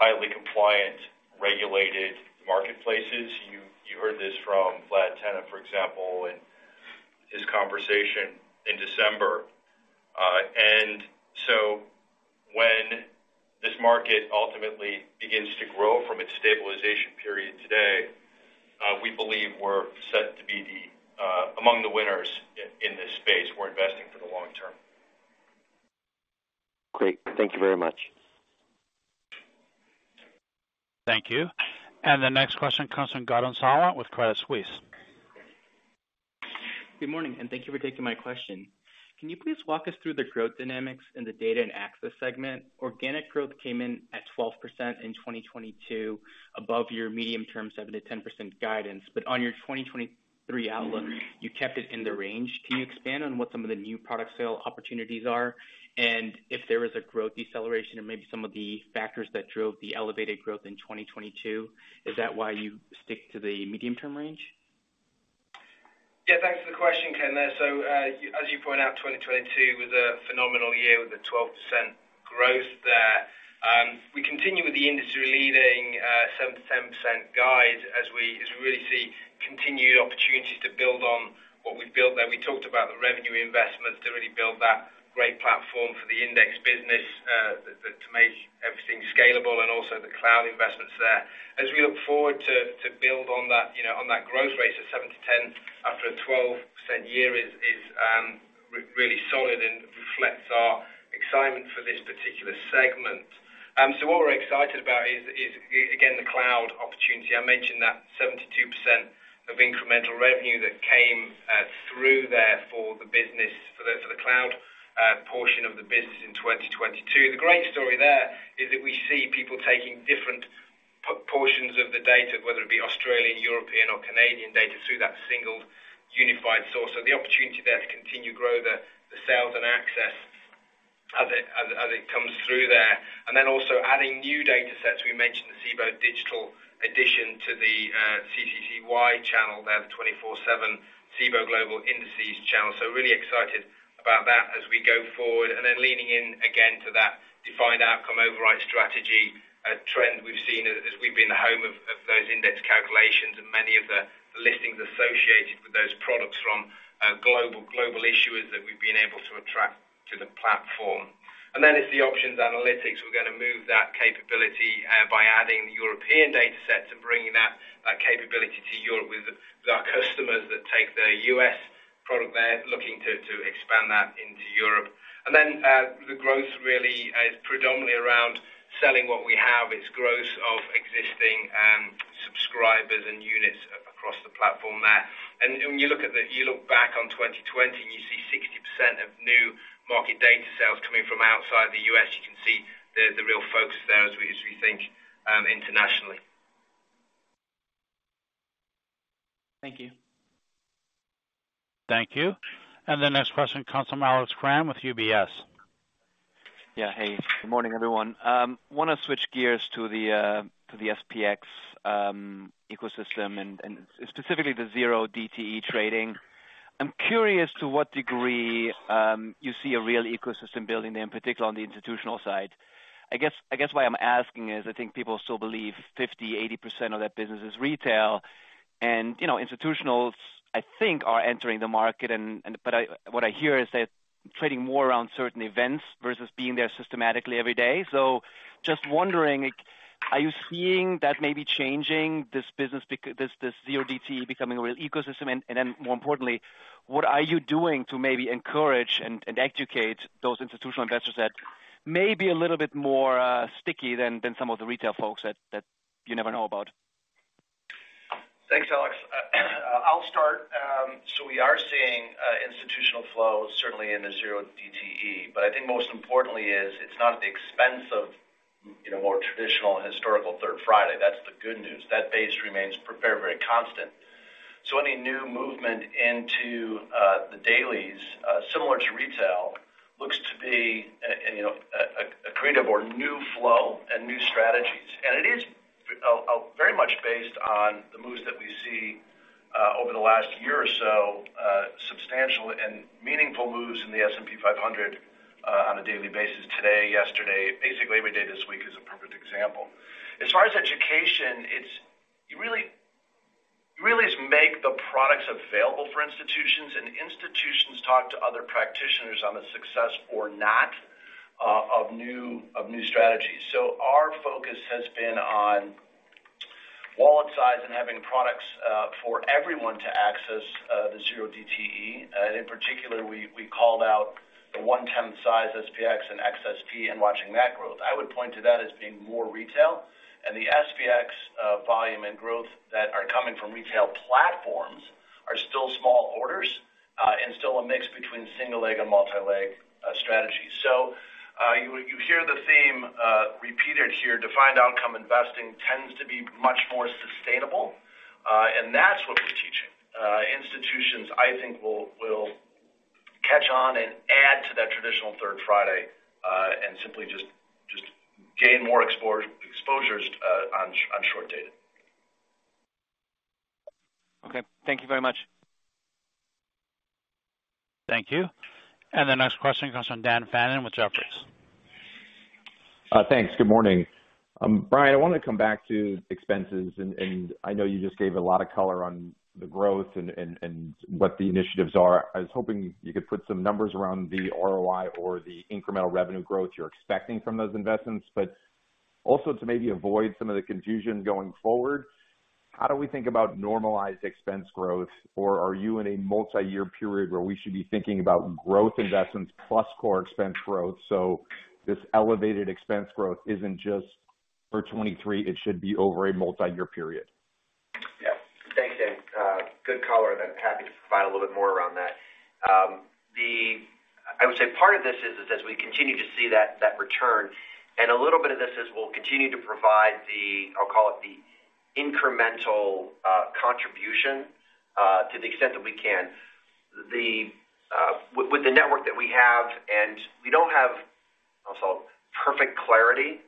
S9: highly compliant, regulated marketplaces. You heard this from Vlad Tenev, for example, in his conversation in December. When this market ultimately begins to grow from its stabilization period today, we believe we're set to be among the winners in this space. We're investing for the long term.
S7: Great. Thank you very much.
S1: Thank you. The next question comes from Gautam Sawant with Credit Suisse.
S10: Good morning, and thank you for taking my question. Can you please walk us through the growth dynamics in the data and access segment? Organic growth came in at 12% in 2022, above your medium-term 7%-10% guidance. On your 2023 outlook, you kept it in the range. Can you expand on what some of the new product sale opportunities are? If there is a growth deceleration or maybe some of the factors that drove the elevated growth in 2022, is that why you stick to the medium-term range?
S6: Yeah, thanks for the question, Ken. As you point out, 2022 was a phenomenal year with a 12% growth there. We continue with the industry-leading 7%-10% guide as we really see continued opportunities to build on what we've built there. We talked about the revenue investments to really build that great platform for the index business, to make everything scalable and also the cloud investments there. As we look forward to build on that, you know, on that growth rate of 7%-10% after a 12% year is really solid and reflects our excitement for this particular segment. What we're excited about is, again, the cloud opportunity. I mentioned that 72% of incremental revenue that came through there for the business, for the cloud portion of the business in 2022. The great story there is that we see people taking different portions of the data, whether it be Australian, European, or Canadian data, through that single unified source. The opportunity there to continue to grow the sales and access as it comes through there. Also adding new datasets. We mentioned the Cboe Digital addition to the CCCY channel there, the 24/7 Cboe Global Indices channel. Really excited about that as we go forward. Leaning in again to that. Defined outcome override strategy, a trend we've seen as we've been the home of those index calculations and many of the listings associated with those products from global issuers that we've been able to attract to the platform. It's the options analytics. We're gonna move that capability by adding European data sets and bringing that capability to Europe with our customers that take the U.S. product there, looking to expand that into Europe. The growth really is predominantly around selling what we have. It's growth of existing subscribers and units across the platform there. When you look at if you look back on 2020 and you see 60% of new market data sales coming from outside the U.S., you can see the real focus there as we think internationally.
S5: Thank you.
S1: Thank you. The next question comes from Alex Kramm with UBS.
S11: Yeah. Hey, good morning, everyone. wanna switch gears to the to the SPX ecosystem and specifically the 0DTE trading. I'm curious to what degree you see a real ecosystem building there, in particular on the institutional side. I guess why I'm asking is I think people still believe 50%, 80% of that business is retail. You know, institutionals, I think are entering the market and but I what I hear is that trading more around certain events versus being there systematically every day. Just wondering, are you seeing that maybe changing this business this 0DTE becoming a real ecosystem? Then more importantly, what are you doing to maybe encourage and educate those institutional investors that may be a little bit more, sticky than some of the retail folks that you never know about?
S3: Thanks, Alex. I'll start. so we are seeing, institutional flows certainly in the zero DTE, but I think most importantly is it's not at the expense of, you know, more traditional and historical third Friday. That's the good news. That base remains very constant. So any new movement into the dailies, similar to retail, looks to be a you know a creative or new flow and new strategies. And it is very much based on the moves that we see over the last year or so substantial and meaningful moves in the S&P 500 on a daily basis today, yesterday. Basically every day this week is a perfect example. As far as education, it's you really just make the products available for institutions, and institutions talk to other practitioners on the success or not, of new strategies. Our focus has been on wallet size and having products for everyone to access the 0DTE. In particular, we called out the 1/10 size SPX and XSP and watching that growth. I would point to that as being more retail. And the SPX volume and growth that are coming from retail platforms are still small orders, and still a mix between single leg and multi-leg strategies. You hear the theme repeated here. Defined outcome investing tends to be much more sustainable, and that's what we're teaching. Institutions, I think will catch on and add to that traditional third Friday, and simply just gain more exposures on short dated.
S11: Okay. Thank you very much.
S1: Thank you. The next question comes from Daniel Fannon with Jefferies.
S12: Thanks. Good morning. Brian, I wanna come back to expenses. I know you just gave a lot of color on the growth and what the initiatives are. I was hoping you could put some numbers around the ROI or the incremental revenue growth you're expecting from those investments? Also to maybe avoid some of the confusion going forward, how do we think about normalized expense growth, or are you in a multi-year period where we should be thinking about growth investments plus core expense growth? This elevated expense growth isn't just for 23, it should be over a multi-year period.
S4: Thanks, Dan. Good color. I'm happy to provide a little bit more around that. I would say part of this is as we continue to see that return, and a little bit of this is we'll continue to provide the, I'll call it the incremental, contribution, to the extent that we can. With the network that we have, and we don't have also perfect clarity,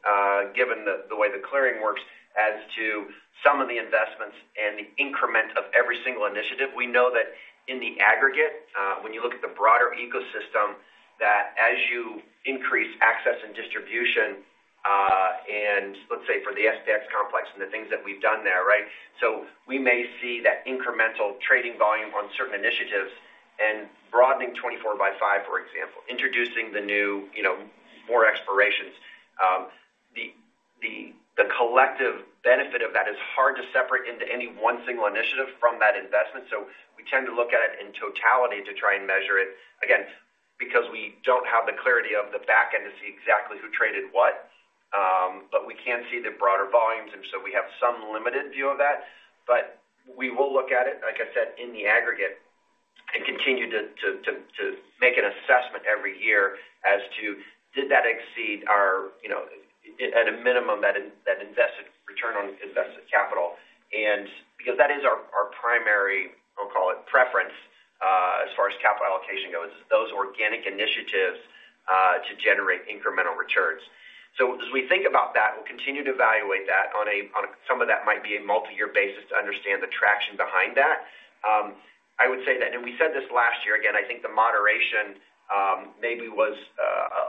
S4: given the way the clearing works as to some of the investments and the increment of every single initiative. We know that in the aggregate, when you look at the broader ecosystem, that as you increase access and distribution, and let's say for the SPX complex and the things that we've done there, right? We may see that incremental trading volume on certain initiatives and broadening 24 by 5, for example, introducing the new, you know, more expirations. The collective benefit of that is hard to separate into any one single initiative from that investment. We tend to look at it in totality to try and measure it, again, because we don't have the clarity of the back end to see exactly who traded what. But we can see the broader volumes, and so we have some limited view of that. We will look at it, like I said, in the aggregate and continue to make an assessment every year as to did that exceed our, you know, at a minimum that invested return on invested capital. Because that is our primary, I'll call it preference. As far as capital allocation goes, those organic initiatives to generate incremental returns. As we think about that, we'll continue to evaluate that on some of that might be a multi-year basis to understand the traction behind that. I would say that, and we said this last year, again, I think the moderation maybe was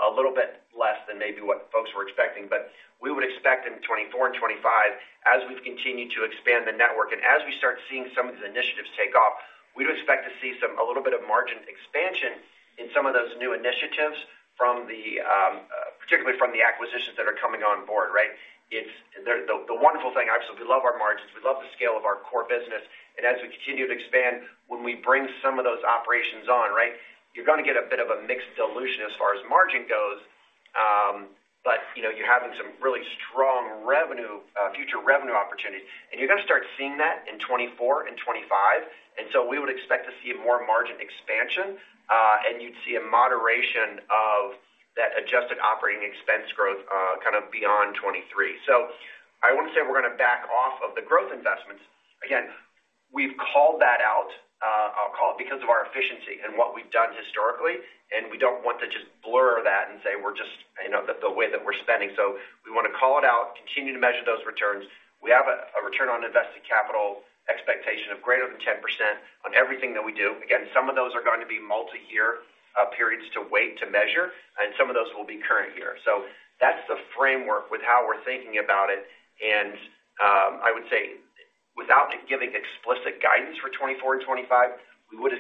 S4: a little bit less than maybe what folks were expecting. We would expect in 2024 and 2025, as we've continued to expand the network and as we start seeing some of these initiatives take off, we'd expect to see a little bit of margin expansion in some of those new initiatives from the particularly from the acquisitions that are coming on board, right? The wonderful thing, obviously, we love our margins, we love the scale of our core business. As we continue to expand, when we bring some of those operations on, right, you're gonna get a bit of a mixed dilution as far as margin goes. You know, you're having some really strong revenue, future revenue opportunities, and you're gonna start seeing that in 2024 and 2025. We would expect to see more margin expansion, and you'd see a moderation of that adjusted operating expense growth, kind of beyond 2023. I wouldn't say we're gonna back off of the growth investments. Again, we've called that out, I'll call it because of our efficiency and what we've done historically, and we don't want to just blur that and say we're just the way that we're spending. We wanna call it out, continue to measure those returns. We have a return on invested capital expectation of greater than 10% on everything that we do. Again, some of those are going to be multi-year periods to wait to measure, and some of those will be current year. That's the framework with how we're thinking about it. I would say without giving explicit guidance for 2024 and 2025, we would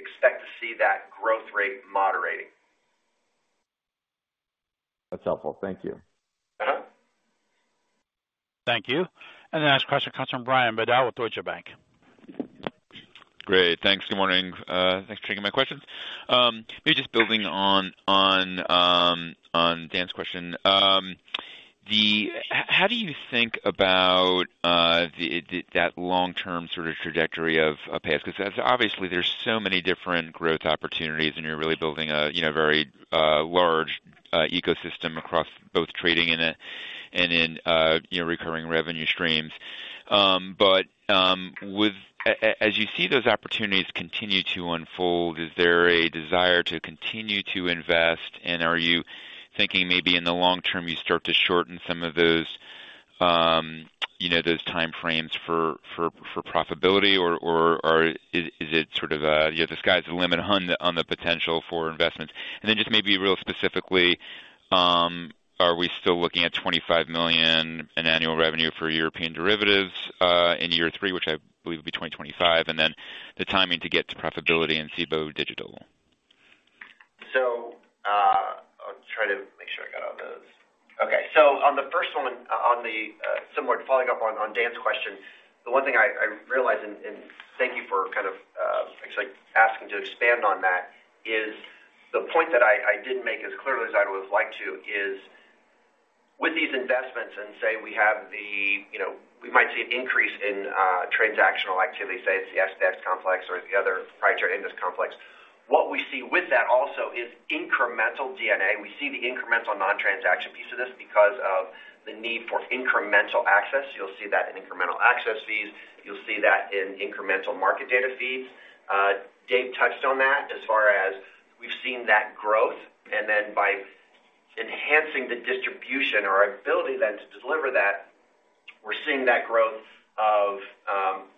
S4: expect to see that growth rate moderating.
S12: That's helpful. Thank you.
S1: Thank you. The next question comes from Brian Bedell with Deutsche Bank.
S13: Great. Thanks. Good morning. Thanks for taking my questions. Maybe just building on Dan's question. How do you think about that long-term sort of trajectory of [PAS]? Because obviously there's so many different growth opportunities, and you're really building a, you know, very large ecosystem across both trading and in recurring revenue streams. As you see those opportunities continue to unfold, is there a desire to continue to invest? Are you thinking maybe in the long term, you start to shorten some of those, you know, those timeframes for profitability? Or is it sort of a the sky's the limit on the potential for investments? Just maybe real specifically, are we still looking at $25 million in annual revenue for European derivatives in year three, which I believe will be 2025, and then the timing to get to profitability in Cboe Digital?
S4: I'll try to make sure I got all those. Okay. On the first one, on the similar to following up on Dan's question, the one thing I realized, and thank you for kind of actually asking to expand on that, is the point that I didn't make as clearly as I would have liked to is, with these investments and say we have the, you know, we might see an increase in transactional activity, say it's the SPX complex or the other price or index complex. What we see with that also is incremental D&A. We see the incremental non-transaction piece of this because of the need for incremental access. You'll see that in incremental access fees. You'll see that in incremental market data feeds. Dave Howson touched on that as far as we've seen that growth, and then by enhancing the distribution or our ability then to deliver that, we're seeing that growth of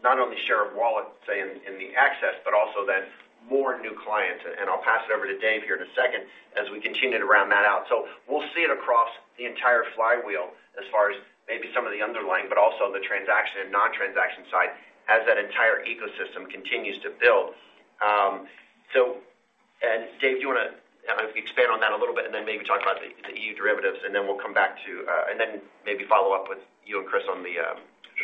S4: not only share of wallet, say in the access, but also then more new clients. I'll pass it over to Dave Howson here in a second as we continue to round that out. We'll see it across the entire flywheel as far as maybe some of the underlying, but also the transaction and non-transaction side as that entire ecosystem continues to build. Dave Howson, do you wanna, you know, expand on that a little bit and then maybe talk about the EU derivatives, and then we'll come back to, and then maybe follow up with you and Chris Isaacson on the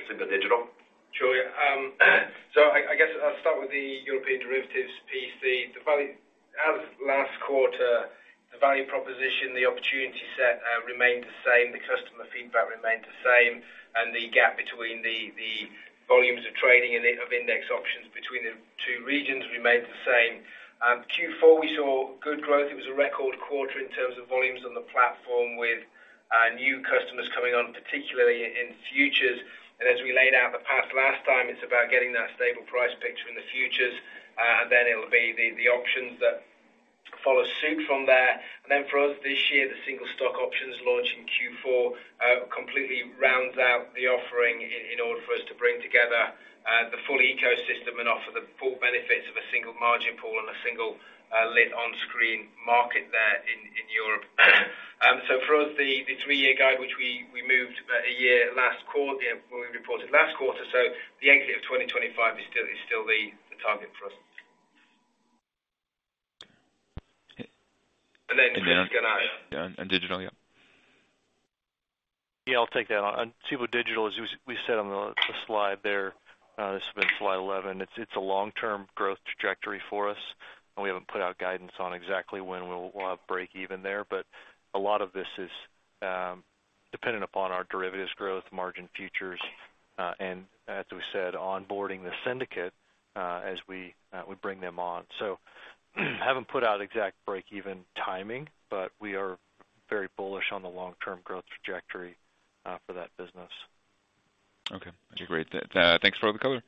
S4: Cboe Digital?
S6: Sure. I guess I'll start with the European derivatives piece. As of last quarter, the value proposition, the opportunity set, remained the same, the customer feedback remained the same, and the gap between the volumes of trading in it, of index options between the two regions remained the same. Q4, we saw good growth. It was a record quarter in terms of volumes on the platform with new customers coming on, particularly in futures. As we laid out the path last time, it's about getting that stable price picture in the futures, and then it'll be the options that follow suit from there. For us this year, the single stock options launched in Q4, completely rounds out the offering in order for us to bring together the full ecosystem and offer the full benefits of a single margin pool and a single lit on-screen market there in Europe. For us, the three-year guide, which we moved a year last quarter, when we reported last quarter, the exit of 2025 is still the target for us.
S4: Then Dave can add.
S6: Yeah, and digital, yeah.
S8: Yeah, I'll take that on. On Cboe Digital, as we said on the slide there, this has been slide 11. It's a long-term growth trajectory for us, and we haven't put out guidance on exactly when we'll have breakeven there. A lot of this is dependent upon our derivatives growth, margin futures, and as we said, onboarding The Syndicate, as we bring them on. I haven't put out exact breakeven timing, but we are very bullish on the long-term growth trajectory for that business.
S13: Okay, great. Thanks for the color.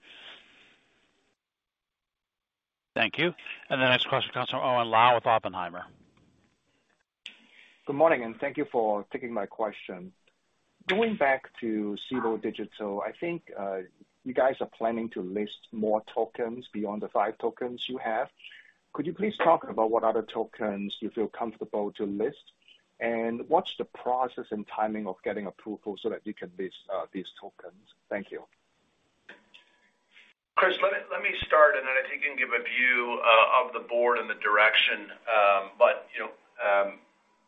S1: Thank you. The next question comes from Owen Lau with Oppenheimer.
S14: Good morning, and thank you for taking my question. Going back to Cboe Digital, I think, you guys are planning to list more tokens beyond the five tokens you have. Could you please talk about what other tokens you feel comfortable to list? What's the process and timing of getting approval so that you can list, these tokens? Thank you.
S3: Chris, let me start, and then I think I can give a view of the board and the direction.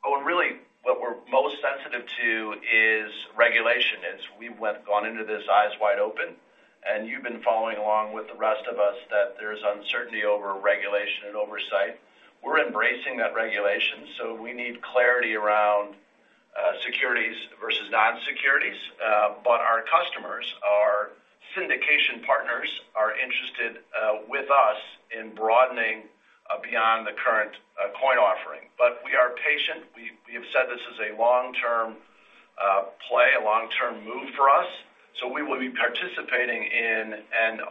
S3: Owen, really what we're most sensitive to is regulation, as we gone into this eyes wide open. You've been following along with the rest of us that there's uncertainty over regulation and oversight. We're embracing that regulation, we need clarity around securities versus non-securities. Our customers, our syndication partners are interested with us in broadening beyond the current coin offering. We are patient. We have said this is a long-term play, a long-term move for us, so we will be participating in and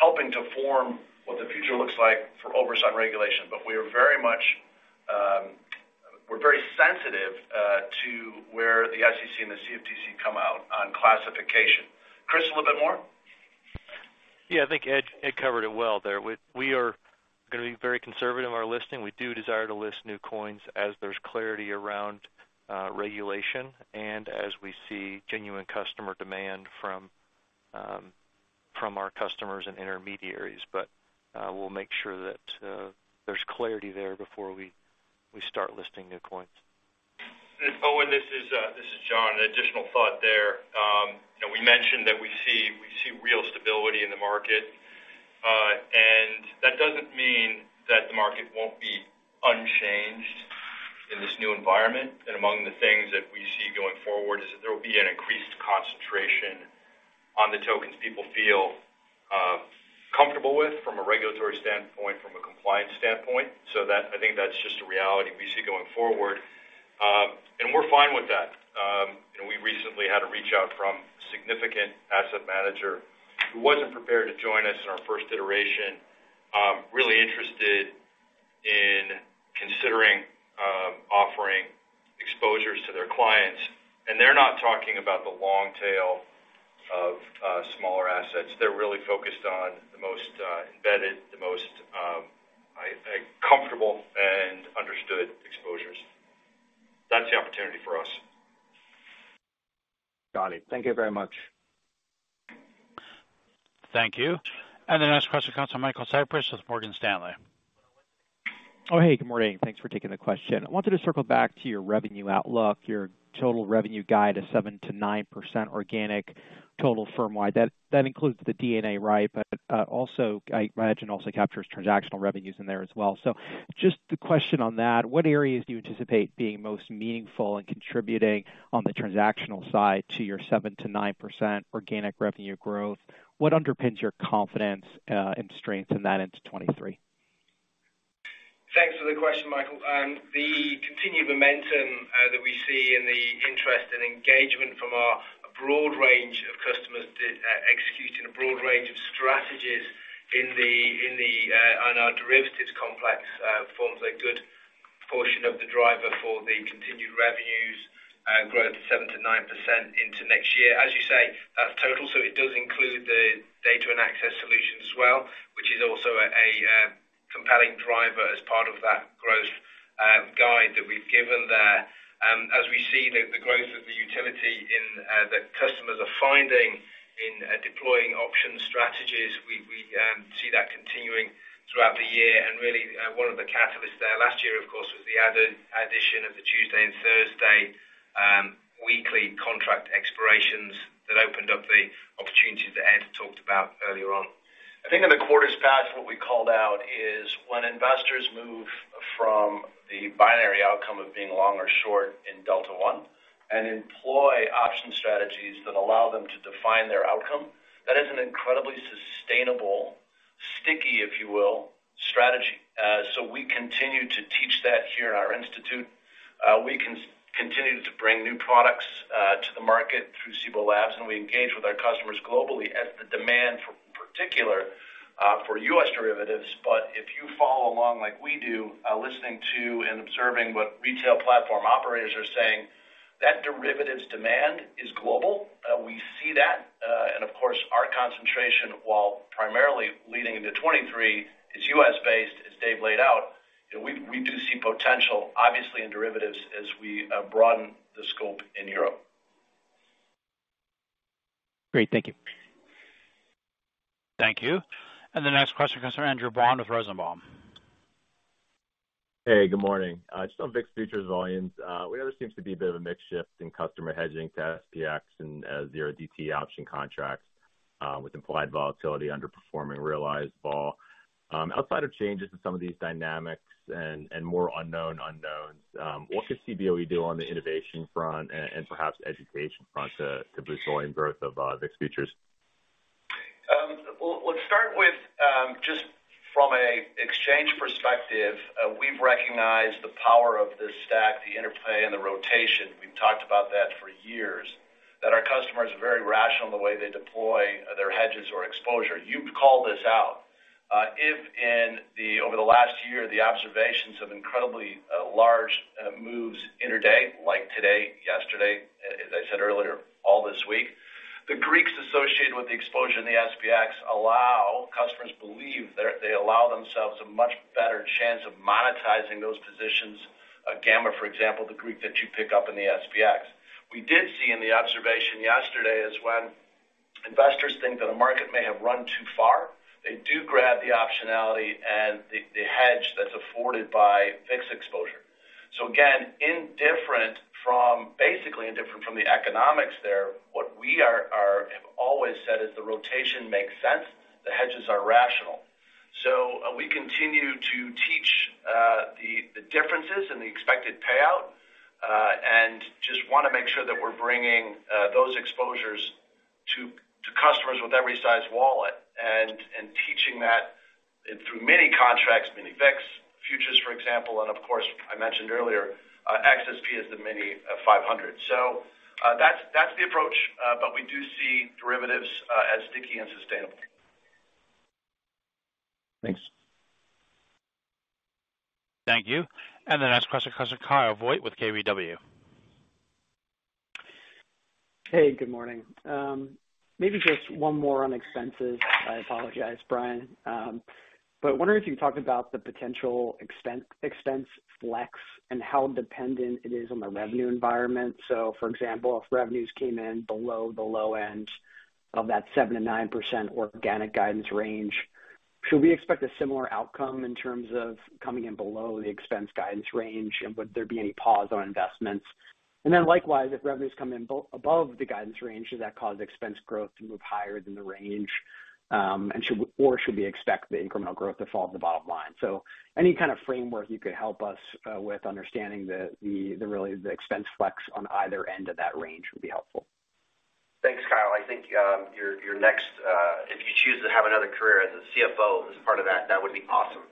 S3: helping to form what the future looks like for oversight regulation. We are very much. We're very sensitive, to where the SEC and the CFTC come out on classification. Chris, a little bit more?
S8: Yeah, I think Ed covered it well there. We are gonna be very conservative on our listing. We do desire to list new coins as there's clarity around regulation and as we see genuine customer demand from our customers and intermediaries. We'll make sure that there's clarity there before we start listing new coins.
S9: Owen, this is John. An additional thought there. You know, we mentioned that we see real stability in the market. That doesn't mean that the market won't be unchanged in this new environment. Among the things that we see going forward is that there will be an increased concentration on the tokens people feel comfortable with from a regulatory standpoint, from a compliance standpoint. I think that's just a reality we see going forward, and we're fine with that. We recently had a reach out from a significant asset manager who wasn't prepared to join us in our first iteration, really interested in considering offering exposures to their clients. They're not talking about the long tail of smaller assets. They're really focused on the most, embedded, the most, comfortable and understood exposures. That's the opportunity for us.
S14: Got it. Thank you very much.
S1: Thank you. The next question comes from Michael Cyprys with Morgan Stanley.
S15: Oh, hey, good morning. Thanks for taking the question. I wanted to circle back to your revenue outlook, your total revenue guide of 7%-9% organic total firm-wide. That includes the D&A, right? Also, I imagine also captures transactional revenues in there as well. Just the question on that, what areas do you anticipate being most meaningful and contributing on the transactional side to your 7%-9% organic revenue growth? What underpins your confidence and strength in that into 2023?
S9: Thanks for the question, Michael. The continued momentum that we see in the interest and engagement from our broad range of customers to execute in a broad range of strategies in the on our derivatives complex forms a good portion of the driver for the continued revenues growth of 7% to 9% into next year. As you say, that's total, so it does include the data and access solution as well, which is also a compelling driver as part of that growth guide that we've given there. As we see the growth of the utility in that customers are finding in deploying option strategies, we see that continuing throughout the year. Really, one of the catalysts there last year, of course, was the addition of the Tuesday and Thursday weekly contract expirations that opened up the opportunities that Ed talked about earlier on. I think in the quarters past, what we called out is when investors move from the binary outcome of being long or short in Delta One and employ option strategies that allow them to define their outcome, that is an incredibly sustainable, sticky, if you will, strategy. We continue to teach that here in our institute. We continue to bring new products to the market through Cboe Labs, and we engage with our customers globally as the demand for particular for U.S. derivatives. If you follow along like we do, listening to and observing what retail platform operators are saying, that derivatives demand is global. We see that. Of course, our concentration, while primarily leading into 2023, is U.S.-based, as Dave laid out. You know, we do see potential, obviously, in derivatives as we broaden the scope in Europe.
S15: Great. Thank you.
S1: Thank you. The next question comes from Andrew Bond with Rosenblatt Securities.
S16: Hey, good morning. Just on VIX futures volumes. We know there seems to be a bit of a mix shift in customer hedging to SPX and 0DTE option contracts, with implied volatility underperforming realized vol. Outside of changes in some of these dynamics and more unknown unknowns, what could Cboe do on the innovation front and perhaps education front to boost volume growth of VIX futures?
S3: Well, let's start with just from a exchange perspective, we've recognized the power of this stack, the interplay and the rotation. We've talked about that for years, that our customers are very rational in the way they deploy their hedges or exposure. You've called this out. If over the last year, the observations of incredibly large moves intraday, like today, yesterday, as I said earlier, all this week, the Greeks associated with the exposure in the SPX allow customers believe they allow themselves a much better chance of monetizing those positions. A gamma, for example, the Greek that you pick up in the SPX. We did see in the observation yesterday is when investors think that a market may have run too far, they do grab the optionality and the hedge that's afforded by fixed exposure. Again, basically indifferent from the economics there, what we have always said is the rotation makes sense, the hedges are rational. We continue to teach the differences in the expected payout and just wanna make sure that we're bringing those exposures to customers with every size wallet and teaching that through mini contracts, mini VIX futures, for example. Of course, I mentioned earlier, XSP is the mini five hundred. That's the approach, but we do see derivatives as sticky and sustainable.
S16: Thanks.
S1: Thank you. The next question comes from Kyle Voigt with KBW.
S17: Hey, good morning. Maybe just one more on expenses. I apologize, Brian. Wondering if you talked about the potential expense flex and how dependent it is on the revenue environment. For example, if revenues came in below the low end of that 7%-9% organic guidance range, should we expect a similar outcome in terms of coming in below the expense guidance range? Would there be any pause on investments? Likewise, if revenues come in above the guidance range, should that cause expense growth to move higher than the range? Should we expect the incremental growth to fall at the bottom line? Any kind of framework you could help us with understanding the, really, the expense flex on either end of that range would be helpful.
S4: Thanks, Kyle. I think your next, if you choose to have another career as a CFO as part of that would be awesome.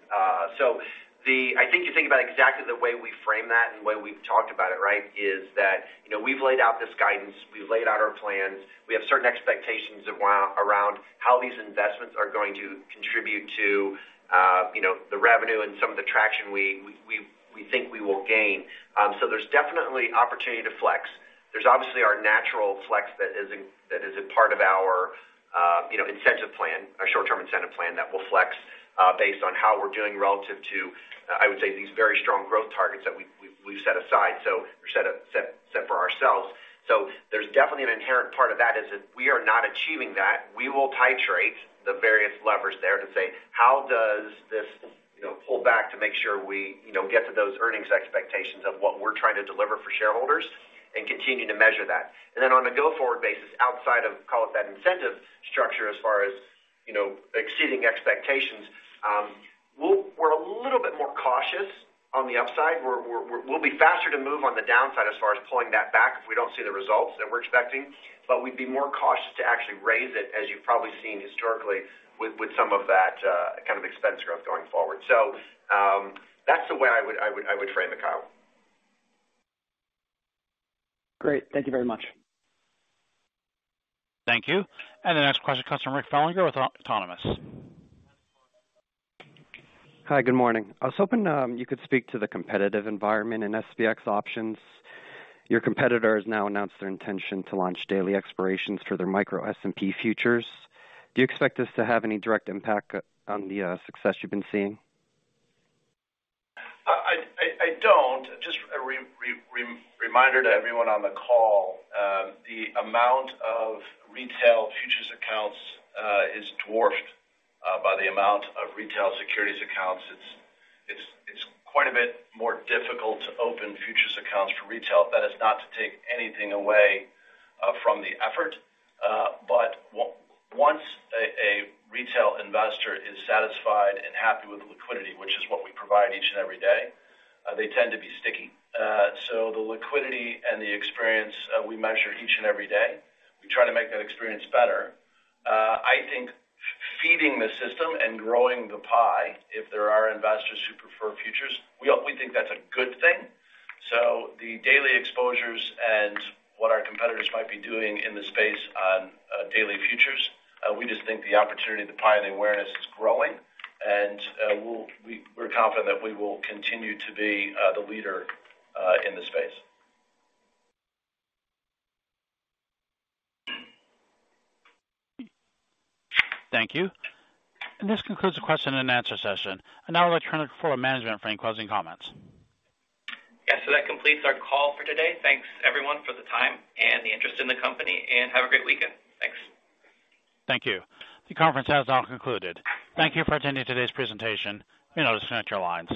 S4: I think you think about exactly the way we frame that and the way we've talked about it, right, is that we've laid out this guidance, we've laid out our plans. We have certain expectations around how these investments are going to contribute to, you know, the revenue and some of the traction we think we will gain. There's definitely opportunity to flex. There's obviously our natural flex that is in part of our incentive plan, our short-term incentive plan that will flex based on how we're doing relative to, I would say, these very strong growth targets that we've set aside. We set for ourselves. There's definitely an inherent part of that is if we are not achieving that, we will titrate the various levers there to say, "How does this, you know, pull back to make sure we, you know, get to those earnings expectations of what we're trying to deliver for shareholders and continue to measure that?" Then on a go-forward basis, outside of call it that incentive structure as far as, you know, exceeding expectations, we're a little bit more cautious on the upside. We'll be faster to move on the downside as far as pulling that back if we don't see the results that we're expecting. We'd be more cautious to actually raise it as you've probably seen historically with some of that kind of expense growth going forward. That's the way I would frame it, Kyle.
S17: Great. Thank you very much.
S1: Thank you. The next question comes from Richard Fellinger with Autonomous.
S18: Hi. Good morning. I was hoping, you could speak to the competitive environment in SPX options. Your competitors now announced their intention to launch daily expirations for their micro S&P futures. Do you expect this to have any direct impact on the success you've been seeing?
S3: I don't. Just reminder to everyone on the call, the amount of retail futures accounts is dwarfed by the amount of retail securities accounts. It's quite a bit more difficult to open futures accounts for retail. That is not to take anything away from the effort. Once a retail investor is satisfied and happy with the liquidity, which is what we provide each and every day, they tend to be sticky. The liquidity and the experience we measure each and every day. We try to make that experience better. I think feeding the system and growing the pie, if there are investors who prefer futures, we think that's a good thing. The daily exposures and what our competitors might be doing in the space on daily futures, we just think the opportunity, the pie, and the awareness is growing. We're confident that we will continue to be the leader in the space.
S1: Thank you. This concludes the question and answer session. I now return the floor to management for any closing comments.
S2: Yes, that completes our call for today. Thanks, everyone, for the time and the interest in the company, have a great weekend. Thanks.
S1: Thank you. The conference has now concluded. Thank you for attending today's presentation. You may now disconnect your lines.